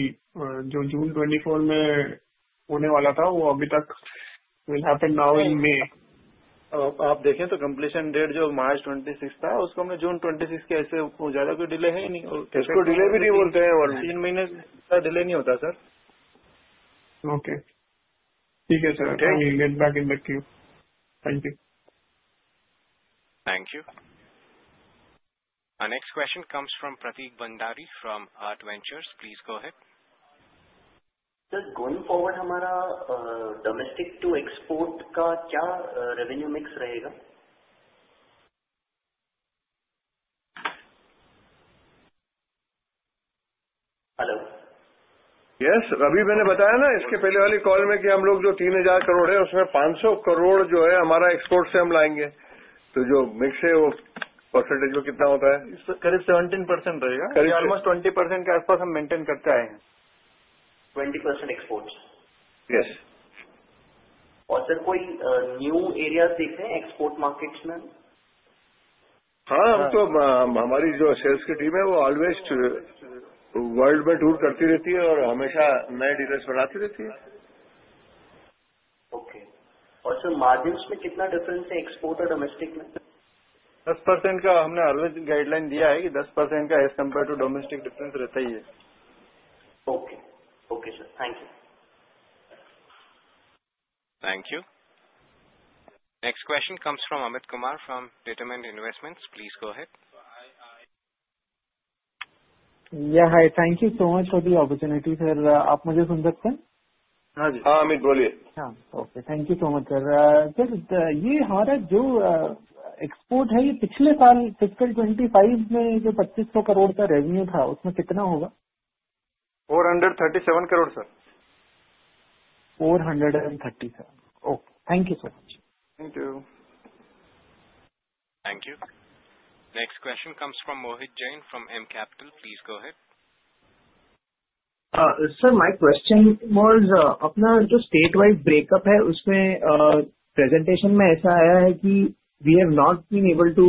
जो जून 2024 में होने वाला था, वो अभी तक will happen now in May. आप देखें तो कंप्लीशन डेट जो मार्च 26 था, उसको हमने जून 26 के लिए किया है। ज्यादा कोई डिले है ही नहीं। उसको डिले भी नहीं बोलते हैं। तीन महीने का डिले नहीं होता, सर। ओके, ठीक है, sir. Get back in the queue. Thank you. Thank you. Next question comes from Prateek Bandari from art ventures. Please go ahead. Sir, going forward, हमारा डोमेस्टिक टू एक्सपोर्ट का क्या रेवेन्यू मिक्स रहेगा? Hello. हाँ, अभी मैंने बताया ना इसके पहले वाली कॉल में कि हम लोग जो ₹3,000 करोड़ है, उसमें ₹500 करोड़ जो है हमारा एक्सपोर्ट से हम लाएंगे। तो जो मिक्स है, वो प्रतिशत में कितना होता है? करीब 17% रहेगा। करीब लगभग 20% के आसपास हम मेंटेन करते आए हैं। 20% एक्सपोर्ट्स। हाँ। और सर, कोई नए एरियाज देख रहे हैं एक्सपोर्ट मार्केट्स में? हां, हम तो हमारी जो सेल्स की टीम है, वो हमेशा विश्व में टूर करती रहती है और हमेशा नए डीलर्स बनाती रहती है। ओके। और सर, मार्जिन्स में कितना डिफरेंस है एक्सपोर्ट और डोमेस्टिक में? 10% का हमने हमेशा गाइडलाइन दिया है कि 10% का अंतर डोमेस्टिक की तुलना में रहता ही है। Okay, okay, sir. Thank you. Thank you. Next question comes from Amit Kumar from datament investments. Please go ahead. हाँ, hi. Thank you so much for the opportunity, sir. आप मुझे सुन सकते हैं? हां, जी। हां, अमित, बोलिए। हां, okay. Thank you so much, sir. Sir, ये हमारा जो एक्सपोर्ट है, ये पिछले साल फिस्कल 25 में जो INR 2,500 करोड़ का रेवेन्यू था, उसमें कितना होगा? 437 crore, sir. 437। Okay, thank you so much. धन्यवाद। Thank you. Next question comes from Mohit Jain from M Capital. Please go ahead. Sir, my question was, अपना जो स्टेट वाइज़ ब्रेकअप है, उसमें प्रेज़ेंटेशन में ऐसा आया है कि we have not been able to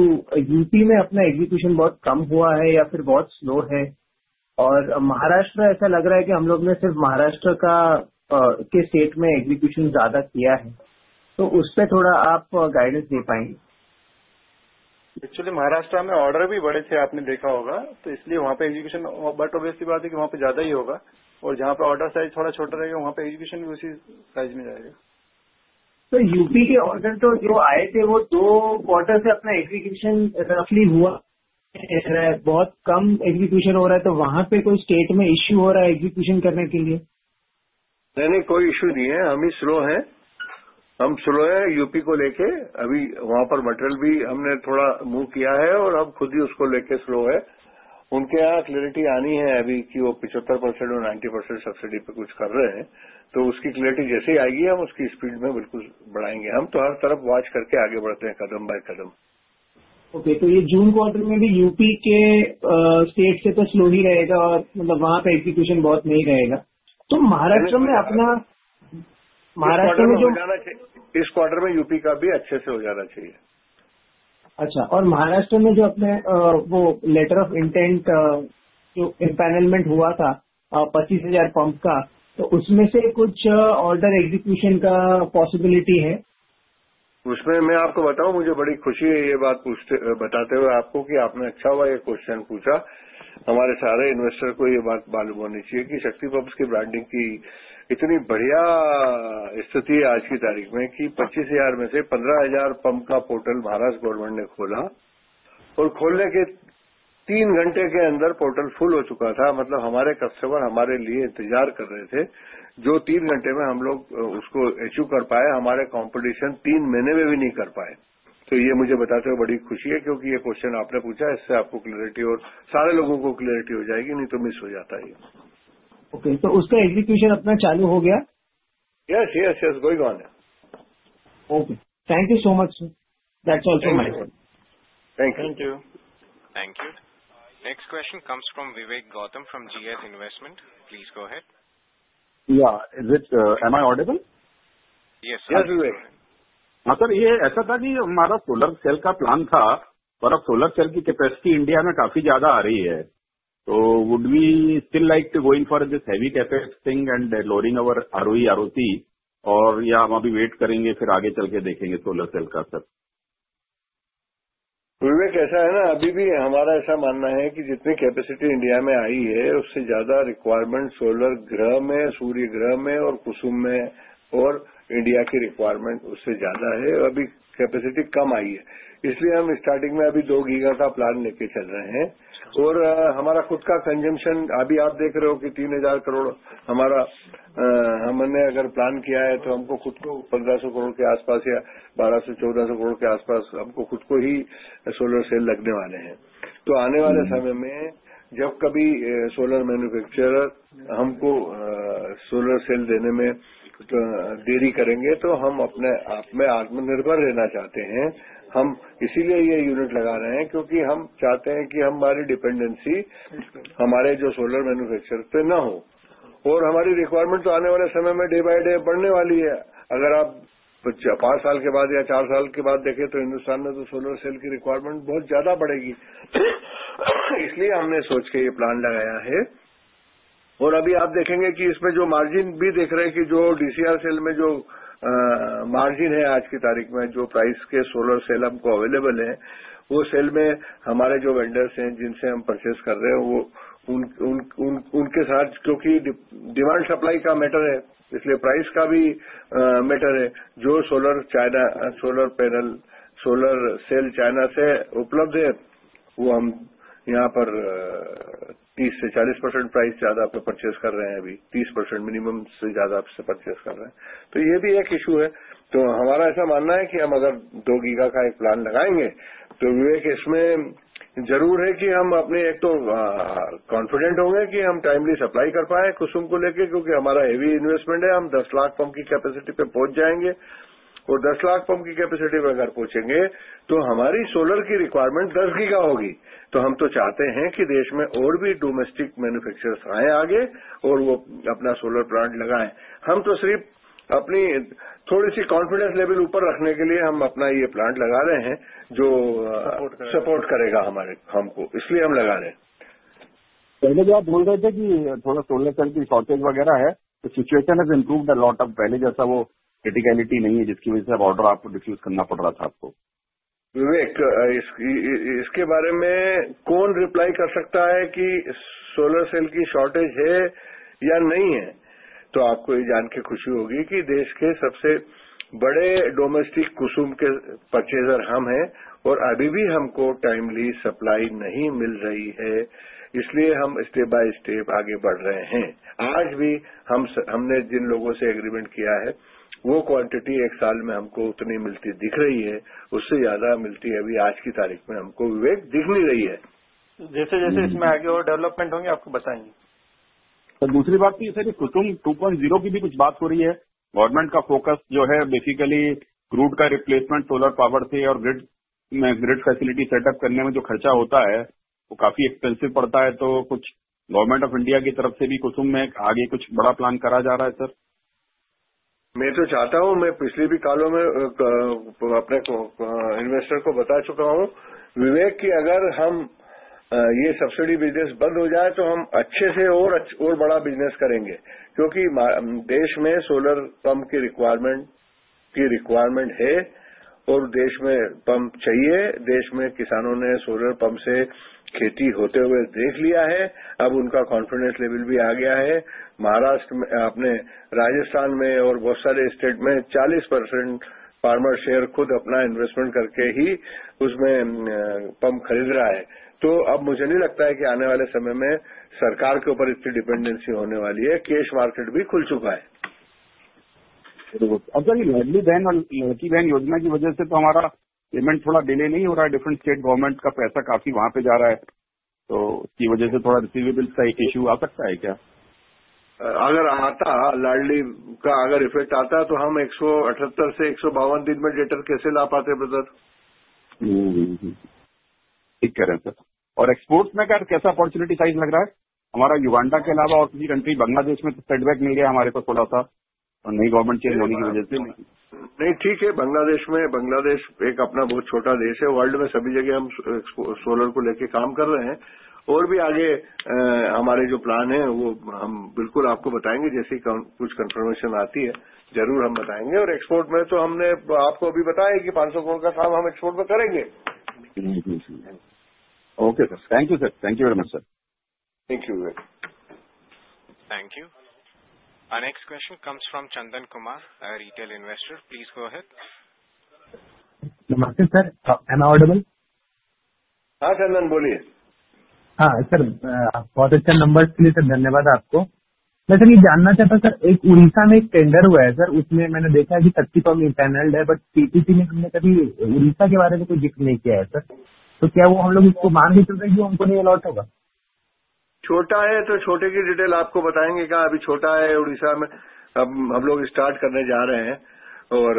UP में अपना एग्ज़ीक्यूशन बहुत कम हुआ है या फिर बहुत स्लो है। और महाराष्ट्र ऐसा लग रहा है कि हम लोगों ने सिर्फ महाराष्ट्र के स्टेट में एग्ज़ीक्यूशन ज्यादा किया है। तो उस पे थोड़ा आप गाइडेंस दे पाएंगे? Actually, महाराष्ट्र में orders भी बड़े थे, आपने देखा होगा। तो इसलिए वहां पे execution, but obvious सी बात है कि वहां पे ज्यादा ही होगा। और जहां पे order size थोड़ा छोटा रहेगा, वहां पे execution भी उसी size में जाएगा। सर, यूपी के ऑर्डर तो जो आए थे, वो दो क्वार्टर से अपना एग्जीक्यूशन रफली हुआ है। बहुत कम एग्जीक्यूशन हो रहा है। तो वहां पे कोई स्टेट में इश्यू हो रहा है एग्जीक्यूशन करने के लिए? नहीं, नहीं, कोई इश्यू नहीं है। हम ही स्लो हैं। हम स्लो हैं यूपी को लेकर। अभी वहाँ पर मैटेरियल भी हमने थोड़ा मूव किया है और हम खुद ही उसको लेकर स्लो हैं। उनके यहाँ क्लैरिटी आनी है अभी कि वो 75% और 90% सब्सिडी पर कुछ कर रहे हैं। तो उसकी क्लैरिटी जैसे ही आएगी, हम उसकी स्पीड में बिल्कुल बढ़ाएंगे। हम तो हर तरफ वॉच करके आगे बढ़ते हैं, कदम बाई कदम। ओके। तो ये जून क्वार्टर में भी UP के स्टेट से तो स्लो ही रहेगा और मतलब वहां पे एग्जीक्यूशन बहुत नहीं रहेगा। तो महाराष्ट्र में अपना महाराष्ट्र में जो इस क्वार्टर में UP का भी अच्छे से हो जाना चाहिए। अच्छा। और महाराष्ट्र में जो अपने वो लेटर ऑफ इंटेंट जो इंपैनलमेंट हुआ था 25,000 पंप का, तो उसमें से कुछ ऑर्डर एग्जीक्यूशन का पॉसिबिलिटी है? उसमें मैं आपको बताऊं, मुझे बड़ी खुशी है ये बात पूछते बताते हुए आपको कि आपने अच्छा हुआ ये प्रश्न पूछा। हमारे सारे निवेशकों को ये बात मालूम होनी चाहिए कि शक्ति पंप्स की ब्रांडिंग की इतनी बढ़िया स्थिति है आज की तारीख में कि 25,000 में से 15,000 पंप का पोर्टल महाराष्ट्र सरकार ने खोला और खोलने के 3 घंटे के अंदर पोर्टल भर चुका था। मतलब हमारे ग्राहक हमारे लिए इंतजार कर रहे थे, जो 3 घंटे में हम लोग उसको हासिल कर पाए। हमारी प्रतिस्पर्धा 3 महीने में भी नहीं कर पाई। तो ये मुझे बताते हुए बड़ी खुशी है क्योंकि ये प्रश्न आपने पूछा, इससे आपको स्पष्टता और सारे लोगों को स्पष्टता हो जाएगी, नहीं तो छूट जाता है। ओके। तो उसका एग्जीक्यूशन अपना चालू हो गया? हाँ, हाँ, हाँ, चल रहा है। Okay, thank you so much, sir. That's also my thank you. Thank you. Next question comes from Vivek Gautam from GS investment. Please go ahead. Ya, is it am I audible? हाँ, सर। यस, विवेक। हां, sir, ये ऐसा था कि हमारा solar cell का plan था, पर अब सोलर सेल की कैपेसिटी इंडिया में काफी ज्यादा आ रही है। तो would we still like to go in for this heavy capacity thing and loading our ROE, ROC? और या हम अभी वेट करेंगे, फिर आगे चलके देखेंगे सोलर सेल का। सर, विवेक, ऐसा है ना, अभी भी हमारा ऐसा मानना है कि जितनी कैपेसिटी इंडिया में आई है, उससे ज्यादा रिक्वायरमेंट सोलर ग्रह में, सूर्य ग्रह में और कुसुम में और इंडिया की रिक्वायरमेंट उससे ज्यादा है। अभी कैपेसिटी कम आई है, इसलिए हम स्टार्टिंग में अभी 2 गीगा का प्लान लेके चल रहे हैं। और हमारा खुद का कंजमशन, अभी आप देख रहे हो कि ₹3,000 करोड़ हमारा, हमने अगर प्लान किया है, तो हमको खुद को ₹1,500 करोड़ के आसपास या ₹1,200, ₹1,400 करोड़ के आसपास हमको खुद को ही सोलर सेल लगने वाले हैं। तो आने वाले समय में जब कभी सोलर मैन्युफैक्चरर हमको सोलर सेल देने में देरी करेंगे, तो हम अपने आप में आत्मनिर्भर रहना चाहते हैं। हम इसीलिए ये यूनिट लगा रहे हैं क्योंकि हम चाहते हैं कि हमारी डिपेंडेंसी हमारे जो सोलर मैन्युफैक्चरर पे ना हो। और हमारी रिक्वायरमेंट तो आने वाले समय में डे बाय डे बढ़ने वाली है। अगर आप 5 साल के बाद या 4 साल के बाद देखें, तो हिंदुस्तान में तो सोलर सेल की रिक्वायरमेंट बहुत ज्यादा बढ़ेगी। इसलिए हमने सोच के ये प्लान लगाया है। और अभी आप देखेंगे कि इसमें जो मार्जिन भी देख रहे हैं कि जो DCR सेल में जो मार्जिन है, आज की तारीख में जो प्राइस के सोलर सेल हमको अवेलेबल है, वो सेल में हमारे जो वेंडर्स हैं, जिनसे हम परचेस कर रहे हैं, वो उनके साथ क्योंकि डिमांड सप्लाई का मैटर है, इसलिए प्राइस का भी मैटर है। जो solar China, solar panel, solar cell China से उपलब्ध है, वो हम यहां पर 30% से 40% प्राइस ज्यादा परचेस कर रहे हैं। अभी 30% मिनिमम से ज्यादा परचेस कर रहे हैं। तो ये भी एक इशू है। तो हमारा ऐसा मानना है कि हम अगर 2 गीगा का एक प्लान लगाएंगे, तो विवेक, इसमें जरूर है कि हम अपने एक तो कॉन्फिडेंट होंगे कि हम टाइमली सप्लाई कर पाए कुसुम को लेके, क्योंकि हमारा हैवी इन्वेस्टमेंट है। हम 10 लाख पंप की कैपेसिटी पे पहुंच जाएंगे। और 10 लाख पंप की कैपेसिटी पे अगर पहुंचेंगे, तो हमारी सोलर की रिक्वायरमेंट 10 गीगा होगी। तो हम तो चाहते हैं कि देश में और भी डोमेस्टिक मैन्युफैक्चरर्स आएं आगे और वो अपना सोलर प्लांट लगाएं। हम तो सिर्फ अपनी थोड़ी सी कॉन्फिडेंस लेवल ऊपर रखने के लिए हम अपना ये प्लांट लगा रहे हैं, जो सपोर्ट करेगा हमारे हमको। इसलिए हम लगा रहे हैं। पहले जो आप बोल रहे थे कि थोड़ा सोलर सेल की शॉर्टेज वगैरह है, तो situation has improved a lot. पहले जैसा वो क्रिटिकलिटी नहीं है, जिसकी वजह से अब ऑर्डर आपको डिफ्यूज करना पड़ रहा था। आपको विवेक, हम ये सब्सिडी बिजनेस बंद हो जाए, तो हम अच्छे से और बड़ा बिजनेस करेंगे। क्योंकि देश में सोलर पंप की रिक्वायरमेंट है और देश में पंप चाहिए। देश में किसानों ने सोलर पंप से खेती होते हुए देख लिया है। अब उनका कॉन्फिडेंस लेवल भी आ गया है। महाराष्ट्र में, आपने राजस्थान में और बहुत सारे स्टेट में 40% फार्मर शेयर खुद अपना इन्वेस्टमेंट करके ही उसमें पंप खरीद रहा है। तो अब मुझे नहीं लगता है कि आने वाले समय में सरकार के ऊपर इतनी डिपेंडेंसी होने वाली है। कैश मार्केट भी खुल चुका है। अब सर, ये लाडली बहन और लड़की बहन योजना की वजह से तो हमारा पेमेंट थोड़ा डिले हो रहा है। डिफरेंट स्टेट गवर्नमेंट का पैसा काफी वहां पे जा रहा है। तो उसकी वजह से थोड़ा रिसीवेबल्स का एक इशू आ सकता है। क्या अगर लाडली का, अगर इफेक्ट आता, तो हम 178 से 152 दिन में डेटर कैसे ला पाते? ब्रदर, ठीक कह रहे हैं सर। और एक्सपोर्ट्स में क्या कैसा अपॉर्चुनिटी साइज़ लग रहा है? हमारा युगांडा के अलावा और किसी कंट्री, बांग्लादेश में तो सेटबैक मिल गया हमारे को थोड़ा सा और नई गवर्नमेंट चेंज होने की वजह से। नहीं, ठीक है। बांग्लादेश में, बांग्लादेश एक अपना बहुत छोटा देश है। वर्ल्ड में सभी जगह हम सोलर को लेकर काम कर रहे हैं। और भी आगे हमारे जो प्लान है, वो हम बिल्कुल आपको बताएंगे। जैसे ही कुछ कंफर्मेशन आती है, जरूर हम बताएंगे। और एक्सपोर्ट में तो हमने आपको अभी बताया है कि INR 500 करोड़ का काम हम एक्सपोर्ट में करेंगे। Okay sir, thank you sir. Thank you very much sir. Thank you. Thank you. Next question comes from Chandan Kumar, retail investor. Please go ahead. नमस्ते सर, एम आई ऑडिबल? हां, चंदन बोलिए। हां सर, बहुत अच्छा नंबर्स के लिए सर, धन्यवाद आपको। मैं सर ये जानना चाहता हूं, सर, एक उड़ीसा में एक टेंडर हुआ है। सर, उसमें मैंने देखा है कि शक्ति पंप इंपैनल्ड है, बट PTC में हमने कभी उड़ीसा के बारे में कोई जिक्र नहीं किया है। सर, तो क्या वो हम लोग उसको मान भी सकते हैं कि वो हमको नहीं अलॉट होगा? छोटा है, तो छोटे की डिटेल आपको बताएंगे। क्या अभी छोटा है उड़ीसा में? अब हम लोग स्टार्ट करने जा रहे हैं और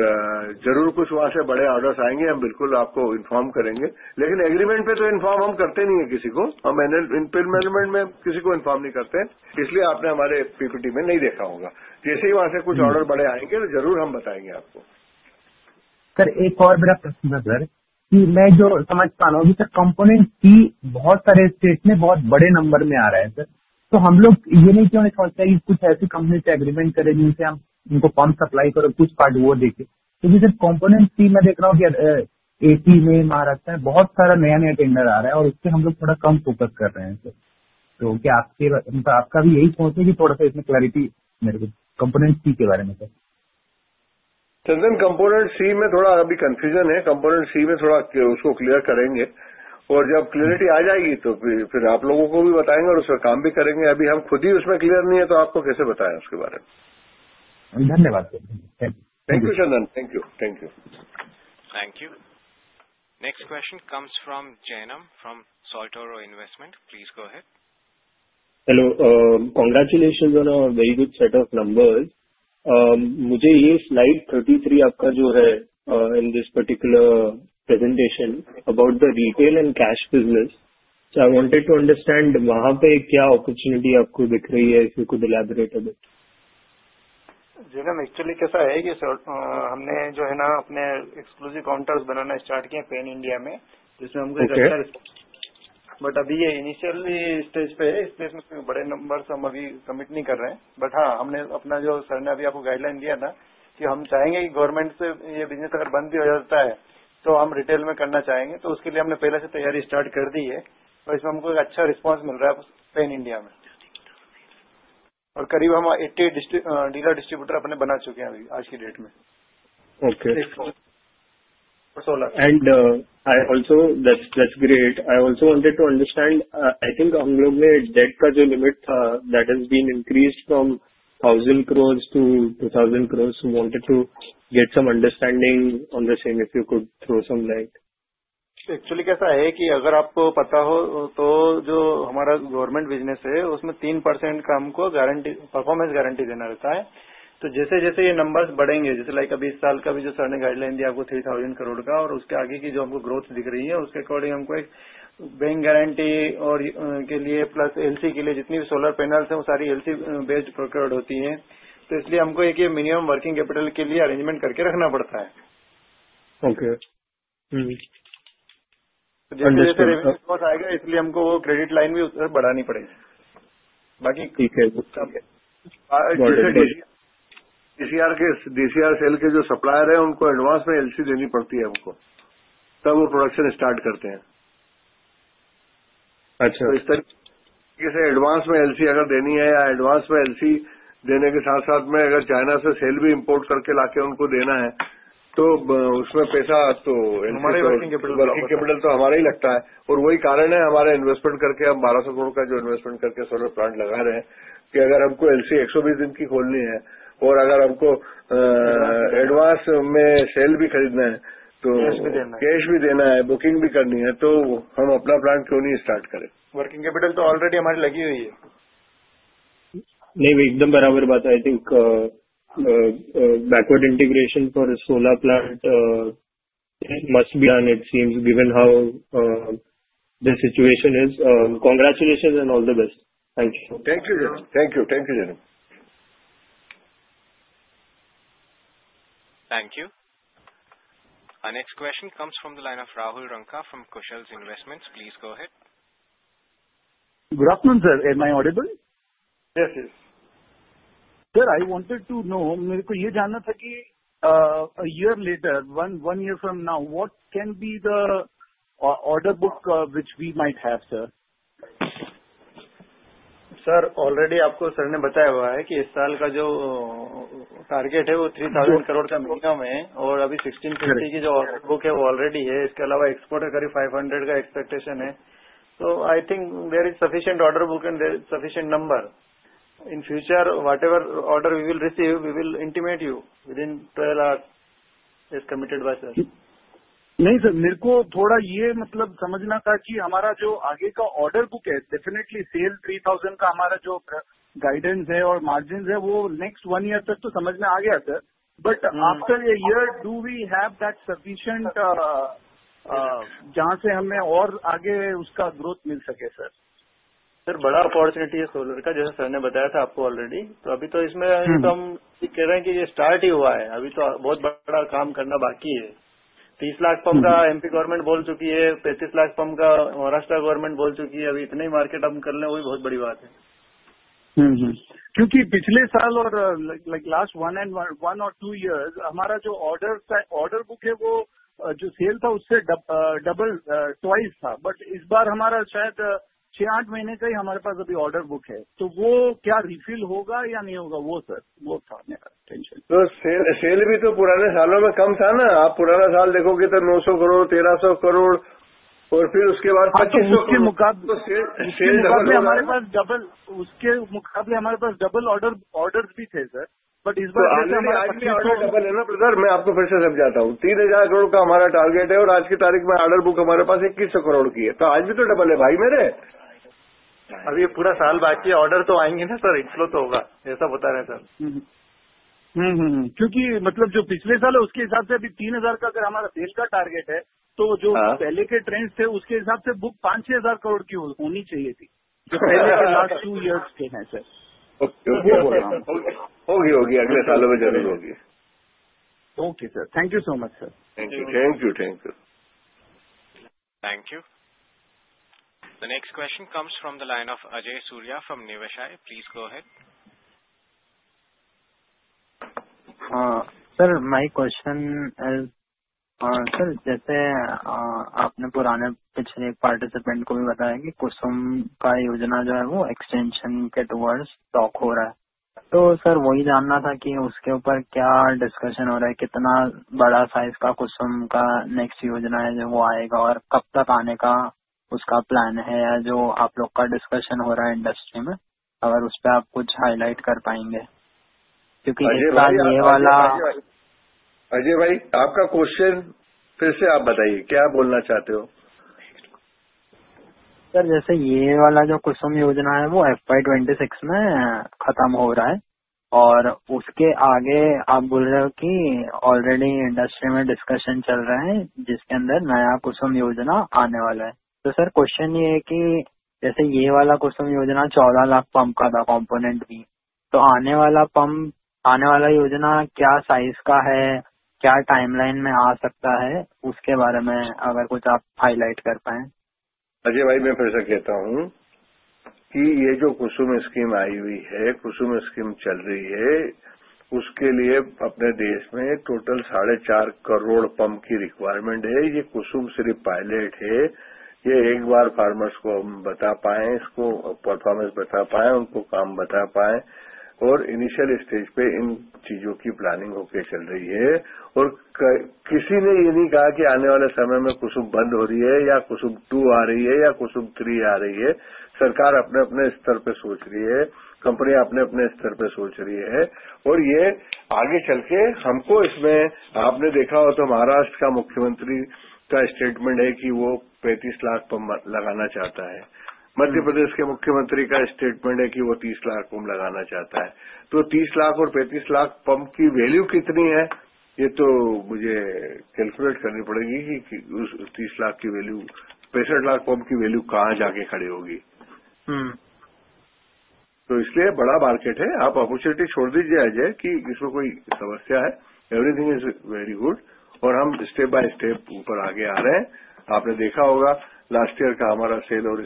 जरूर कुछ वहां से बड़े ऑर्डर्स आएंगे। हम बिल्कुल आपको इन्फॉर्म करेंगे। लेकिन एग्रीमेंट पे तो इन्फॉर्म हम करते नहीं हैं किसी को। हम फाइनल इम्प्लीमेंटेशन में किसी को इन्फॉर्म नहीं करते हैं। इसलिए आपने हमारे PPT में नहीं देखा होगा। जैसे ही वहां से कुछ ऑर्डर बड़े आएंगे, तो जरूर हम बताएंगे आपको। सर, एक और मेरा प्रश्न था सर कि मैं जो समझ पा रहा हूं, अभी सर, कंपोनेंट C बहुत सारे स्टेट में बहुत बड़े नंबर में आ रहा है। सर, तो हम लोग ये क्यों नहीं सोचते हैं कि कुछ ऐसी कंपनी से एग्रीमेंट करें, जिनसे हम उनको पंप सप्लाई करें, कुछ पार्ट वो देकर। क्योंकि सर, कंपोनेंट C मैं देख रहा हूं कि AC में, महाराष्ट्र में बहुत सारा नया-नया टेंडर आ रहा है और उस पे हम लोग थोड़ा कम फोकस कर रहे हैं। सर, तो क्या आपका मतलब आपका भी यही सोच है कि थोड़ा सा इसमें क्लेरिटी मेरे को कंपोनेंट C के बारे में? सर, चंदन कंपोनेंट सी में थोड़ा अभी कंफ्यूजन है। कंपोनेंट सी में थोड़ा उसको क्लियर करेंगे और जब क्लेरिटी आ जाएगी, तो फिर आप लोगों को भी बताएंगे और उस पर काम भी करेंगे। अभी हम खुद ही उसमें क्लियर नहीं हैं, तो आपको कैसे बताएं उसके बारे में? धन्यवाद sir. Thank you Chandan. Thank you. Next question comes from Jainam from Saltoro investment. Please go ahead. Hello, congratulations on a very good set of numbers. मुझे ये स्लाइड 33 आपका जो है, in this particular presentation about the retail and cash business, so I wanted to understand वहां पे क्या opportunity आपको दिख रही है। If you could elaborate a bit. Jainam, actually कैसा है ये सर? हमने जो है ना, अपने एक्सक्लूसिव काउंटर्स बनाना स्टार्ट किए हैं पैन इंडिया में, जिसमें हमको एक अच्छा रिस्पॉन्स मिल रहा है। लेकिन अभी ये इनिशियली स्टेज पे है। इसमें बड़े नंबर्स हम अभी कमिट नहीं कर रहे हैं। लेकिन हां, हमने अपना जो सर ने अभी आपको गाइडलाइन दिया था कि हम चाहेंगे कि गवर्नमेंट से ये बिजनेस अगर बंद भी हो जाता है, तो हम रिटेल में करना चाहेंगे। तो उसके लिए हमने पहले से तैयारी स्टार्ट कर दी है और इसमें हमको एक अच्छा रिस्पॉन्स मिल रहा है पैन इंडिया में। करीब हम 80 डीलर डिस्ट्रिब्यूटर अपने बना चुके हैं अभी आज की डेट में। ओके। यह बहुत अच्छी बात है। मैं यह भी समझना चाहता था। मुझे लगता है हम लोगों ने डेट का जो लिमिट था, वह 1000 करोड़ से बढ़कर 2000 करोड़ हो गया है। इस पर कुछ समझ चाहिए थी। यदि आप कुछ प्रकाश डाल सकें। दरअसल ऐसा है कि अगर आपको पता हो, तो जो हमारा गवर्नमेंट बिजनेस है, उसमें 3% का हमको गारंटी परफॉर्मेंस गारंटी देना रहता है। तो जैसे-जैसे ये नंबर्स बढ़ेंगे, जैसे अभी इस साल का भी जो सर ने गाइडलाइन दिया, आपको INR 3000 करोड़ का और उसके आगे की जो हमको ग्रोथ दिख रही है, उसके अकॉर्डिंग हमको एक बैंक गारंटी और LC के लिए जितनी भी सोलर पैनल्स हैं, वो सारी LC बेस्ड प्रोक्योर्ड होती हैं। तो इसलिए हमको एक ये मिनिमम वर्किंग कैपिटल के लिए अरेंजमेंट करके रखना पड़ता है। ओके। तो जैसे-जैसे रिस्पॉन्स आएगा, इसलिए हमको वो क्रेडिट लाइन भी उससे बढ़ानी पड़ेगी। बाकी ठीक है। DCR के DCR सेल के जो सप्लायर हैं, उनको एडवांस में LC देनी पड़ती है हमको। तब वो प्रोडक्शन स्टार्ट करते हैं। अच्छा, तो इस तरीके से एडवांस में LC अगर देनी है या एडवांस में LC देने के साथ-साथ में अगर चाइना से सेल भी इंपोर्ट करके लाकर उनको देना है, तो उसमें पैसा तो हमारा ही वर्किंग कैपिटल लगता है। वही कारण है हमारा इन्वेस्टमेंट करके हम INR 1200 करोड़ का जो इन्वेस्टमेंट करके सोलर प्लांट लगा रहे हैं कि अगर हमको LC 120 दिन की खोलनी है और अगर हमको एडवांस में सेल भी खरीदना है, तो कैश भी देना है, बुकिंग भी करनी है, तो हम अपना प्लांट क्यों नहीं स्टार्ट करें? वर्किंग कैपिटल तो ऑलरेडी हमारी लगी हुई है। नहीं, भाई, एकदम बराबर बात है। I think backward integration for solar plant must be done, it seems, given how the situation is. Congratulations and all the best. Thank you. Thank you. Thank you. Thank you. Jainam. Thank you. Next question comes from the line of Rahul Ranka from Kushal Investments. Please go ahead. Good afternoon sir. Am I audible? Yes. Yes. Sir, I wanted to know, मेरे को ये जानना था कि a year later, one year from now, what can be the order book which we might have? Sir, sir, already आपको sir ने बताया हुआ है कि इस साल का जो टारगेट है, वो ₹3,000 करोड़ का मिनिमम है और अभी ₹1,650 करोड़ की जो ऑर्डर बुक है, वो ऑलरेडी है। इसके अलावा एक्सपोर्ट का करीब ₹500 करोड़ का एक्सपेक्टेशन है। So, I think there is sufficient order book and there is sufficient number in future. Whatever order we will receive, we will intimate you within 12 hours, as committed by sir. नहीं sir, मुझे थोड़ा ये मतलब समझना था कि हमारा जो आगे का ऑर्डर बुक है, definitely sale ₹3,000 करोड़ का हमारा जो guidance है और margins हैं, वो next one year तक तो समझ में आ गया sir. But after a year, do we have that sufficient uh जहां से हमें और आगे उसका growth मिल सके? सर, सर, बड़ा अवसर है सोलर का, जैसा सर ने बताया था आपको पहले से ही। तो अभी तो इसमें अभी तो हम कह रहे हैं कि यह शुरू ही हुआ है। अभी तो बहुत बड़ा काम करना बाकी है। 30 लाख पंप का MP सरकार बोल चुकी है, 35 लाख पंप का महाराष्ट्र सरकार बोल चुकी है। अभी इतना ही मार्केट हम कर लें, वो भी बहुत बड़ी बात है। हम, हम क्योंकि पिछले साल और पिछले एक और दो साल, हमारा जो ऑर्डर का ऑर्डर बुक है, वो जो सेल था, उससे दोगुना था। लेकिन इस बार हमारा शायद छह आठ महीने का ही हमारे पास अभी ऑर्डर बुक है। तो वो क्या रिफिल होगा या नहीं होगा, वो सर, वो था मेरा टेंशन। तो सेल, सेल भी तो पुराने सालों में कम था ना? आप पुराना साल देखोगे तो ₹900 करोड़, ₹1,300 करोड़ और फिर उसके बाद ₹2,500 के मुकाबले, उसके मुकाबले हमारे पास डबल, उसके मुकाबले हमारे पास डबल ऑर्डर, ऑर्डर्स भी थे सर। लेकिन इस बार जैसे हमारा आज भी डबल है ना, भाई, मैं आपको फिर से समझाता हूं, ₹3,000 करोड़ का हमारा टारगेट है और आज की तारीख में ऑर्डर बुक हमारे पास ₹2,100 करोड़ की है। तो आज भी तो डबल है, भाई मेरे। अभी पूरा साल बाकी है, ऑर्डर तो आएंगे ना सर, इनफ्लो तो होगा, ऐसा बता रहे हैं सर। हम क्योंकि मतलब जो पिछले साल है, उसके हिसाब से अभी ₹3,000 का अगर हमारा सेल का टारगेट है, तो जो पहले के ट्रेंड्स थे, उसके हिसाब से बुक ₹5,600 करोड़ की होनी चाहिए थी, जो पहले के लास्ट टू इयर्स के हैं। सर, ओके, होगी, होगी, होगी, अगले सालों में जरूर होगी। Okay sir, thank you so much sir. Thank you, thank you, thank you, thank you. The next question comes from the line of Ajay Surya from नेवशाई। Please go ahead. Sir, my question is, sir, जैसे आपने पुराने पिछले participant को भी बताया कि कुसुम का योजना जो है, वो एक्सटेंशन के टुवर्ड्स टॉक हो रहा है। तो सर, वही जानना था कि उसके ऊपर क्या डिस्कशन हो रहा है, कितना बड़ा साइज का कुसुम का नेक्स्ट योजना है, जो वो आएगा और कब तक आने का उसका प्लान है या जो आप लोग का डिस्कशन हो रहा है इंडस्ट्री में, अगर उस पे आप कुछ हाईलाइट कर पाएंगे। क्योंकि इस साल ये वाला, अजय भाई, आपका क्वेश्चन फिर से आप बताइए, क्या बोलना चाहते हो? सर, जैसे ये वाला जो कुसुम योजना है, वो FY26 में खत्म हो रहा है और उसके आगे आप बोल रहे हो कि ऑलरेडी इंडस्ट्री में डिस्कशन चल रहा है, जिसके अंदर नया कुसुम योजना आने वाला है। तो सर, क्वेश्चन ये है कि जैसे ये वाला कुसुम योजना 14 लाख पंप का था, कंपोनेंट भी, तो आने वाला पंप, आने वाला योजना क्या साइज़ का है, क्या टाइमलाइन में आ सकता है, उसके बारे में अगर कुछ आप हाईलाइट कर पाए। अजय भाई, मैं फिर से कहता हूं कि ये जो कुसुम स्कीम आई हुई है, कुसुम स्कीम चल रही है, उसके लिए अपने देश में टोटल 45 करोड़ पंप की रिक्वायरमेंट है। ये कुसुम सिर्फ पायलट है, ये एक बार फार्मर्स को हम बता पाए, इसको परफॉर्मेंस बता पाए, उनको काम बता पाए और इनिशियल स्टेज पे इन चीजों की प्लानिंग होके चल रही है। और किसी ने ये नहीं कहा कि आने वाले समय में कुसुम बंद हो रही है या कुसुम टू आ रही है या कुसुम थ्री आ रही है। सरकार अपने-अपने स्तर पे सोच रही है, कंपनियां अपने-अपने स्तर पे सोच रही है और ये आगे चलके हमको इसमें आपने देखा हो तो महाराष्ट्र का मुख्यमंत्री का स्टेटमेंट है कि वो 35 लाख पंप लगाना चाहता है। मध्य प्रदेश के मुख्यमंत्री का स्टेटमेंट है कि वो 30 लाख पंप लगाना चाहता है। तो 30 लाख और 35 लाख पंप की वैल्यू कितनी है, ये तो मुझे कैलकुलेट करनी पड़ेगी कि उस 30 लाख की वैल्यू 65 लाख पंप की वैल्यू कहां जाके खड़ी होगी। हम तो इसलिए बड़ा मार्केट है, आप अपॉर्चुनिटी छोड़ दीजिए, अजय, कि इसमें कोई समस्या है। एवरीथिंग इज़ वेरी गुड और हम स्टेप बाय स्टेप ऊपर आगे आ रहे हैं। आपने देखा होगा लास्ट ईयर का हमारा सेल और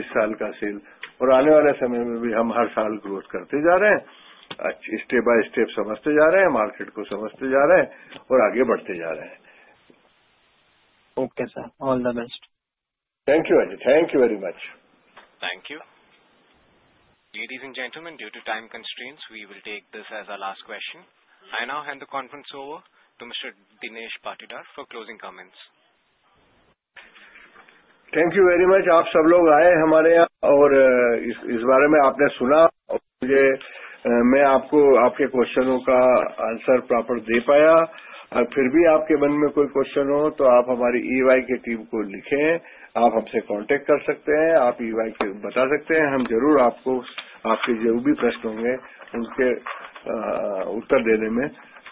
इस साल का सेल और आने वाले समय में भी हम हर साल ग्रोथ करते जा रहे हैं। अच्छा, स्टेप बाय स्टेप समझते जा रहे हैं, मार्केट को समझते जा रहे हैं और आगे बढ़ते जा रहे हैं। Okay sir, all the best. Thank you, Ajay. Thank you very much. Thank you. Ladies and gentlemen, due to time constraints, we will take this as a last question. I now hand the conference over to mister Dinesh Patidar for closing comments. Thank you very much. आप सब लोग आए हमारे यहां और इस बारे में आपने सुना और मुझे मैं आपको आपके क्वेश्चनों का आंसर प्रॉपर दे पाया। और फिर भी आपके मन में कोई क्वेश्चन हो तो आप हमारी EY के टीम को लिखें। आप हमसे कांटेक्ट कर सकते हैं, आप EY के बता सकते हैं। हम जरूर आपको आपके जो भी प्रश्न होंगे, उनके उत्तर देने में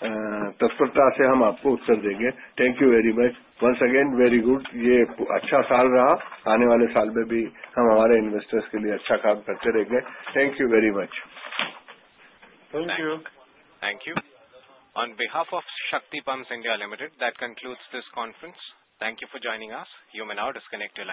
तत्परता से हम आपको उत्तर देंगे। Thank you very much. Once again, very good. ये अच्छा साल रहा। आने वाले साल में भी हम हमारे इन्वेस्टर्स के लिए अच्छा काम करते रहेंगे। Thank you very much. Thank you. Thank you. On behalf of Shakti pump limited, that concludes this conference. Thank you for joining us. You may now disconnect.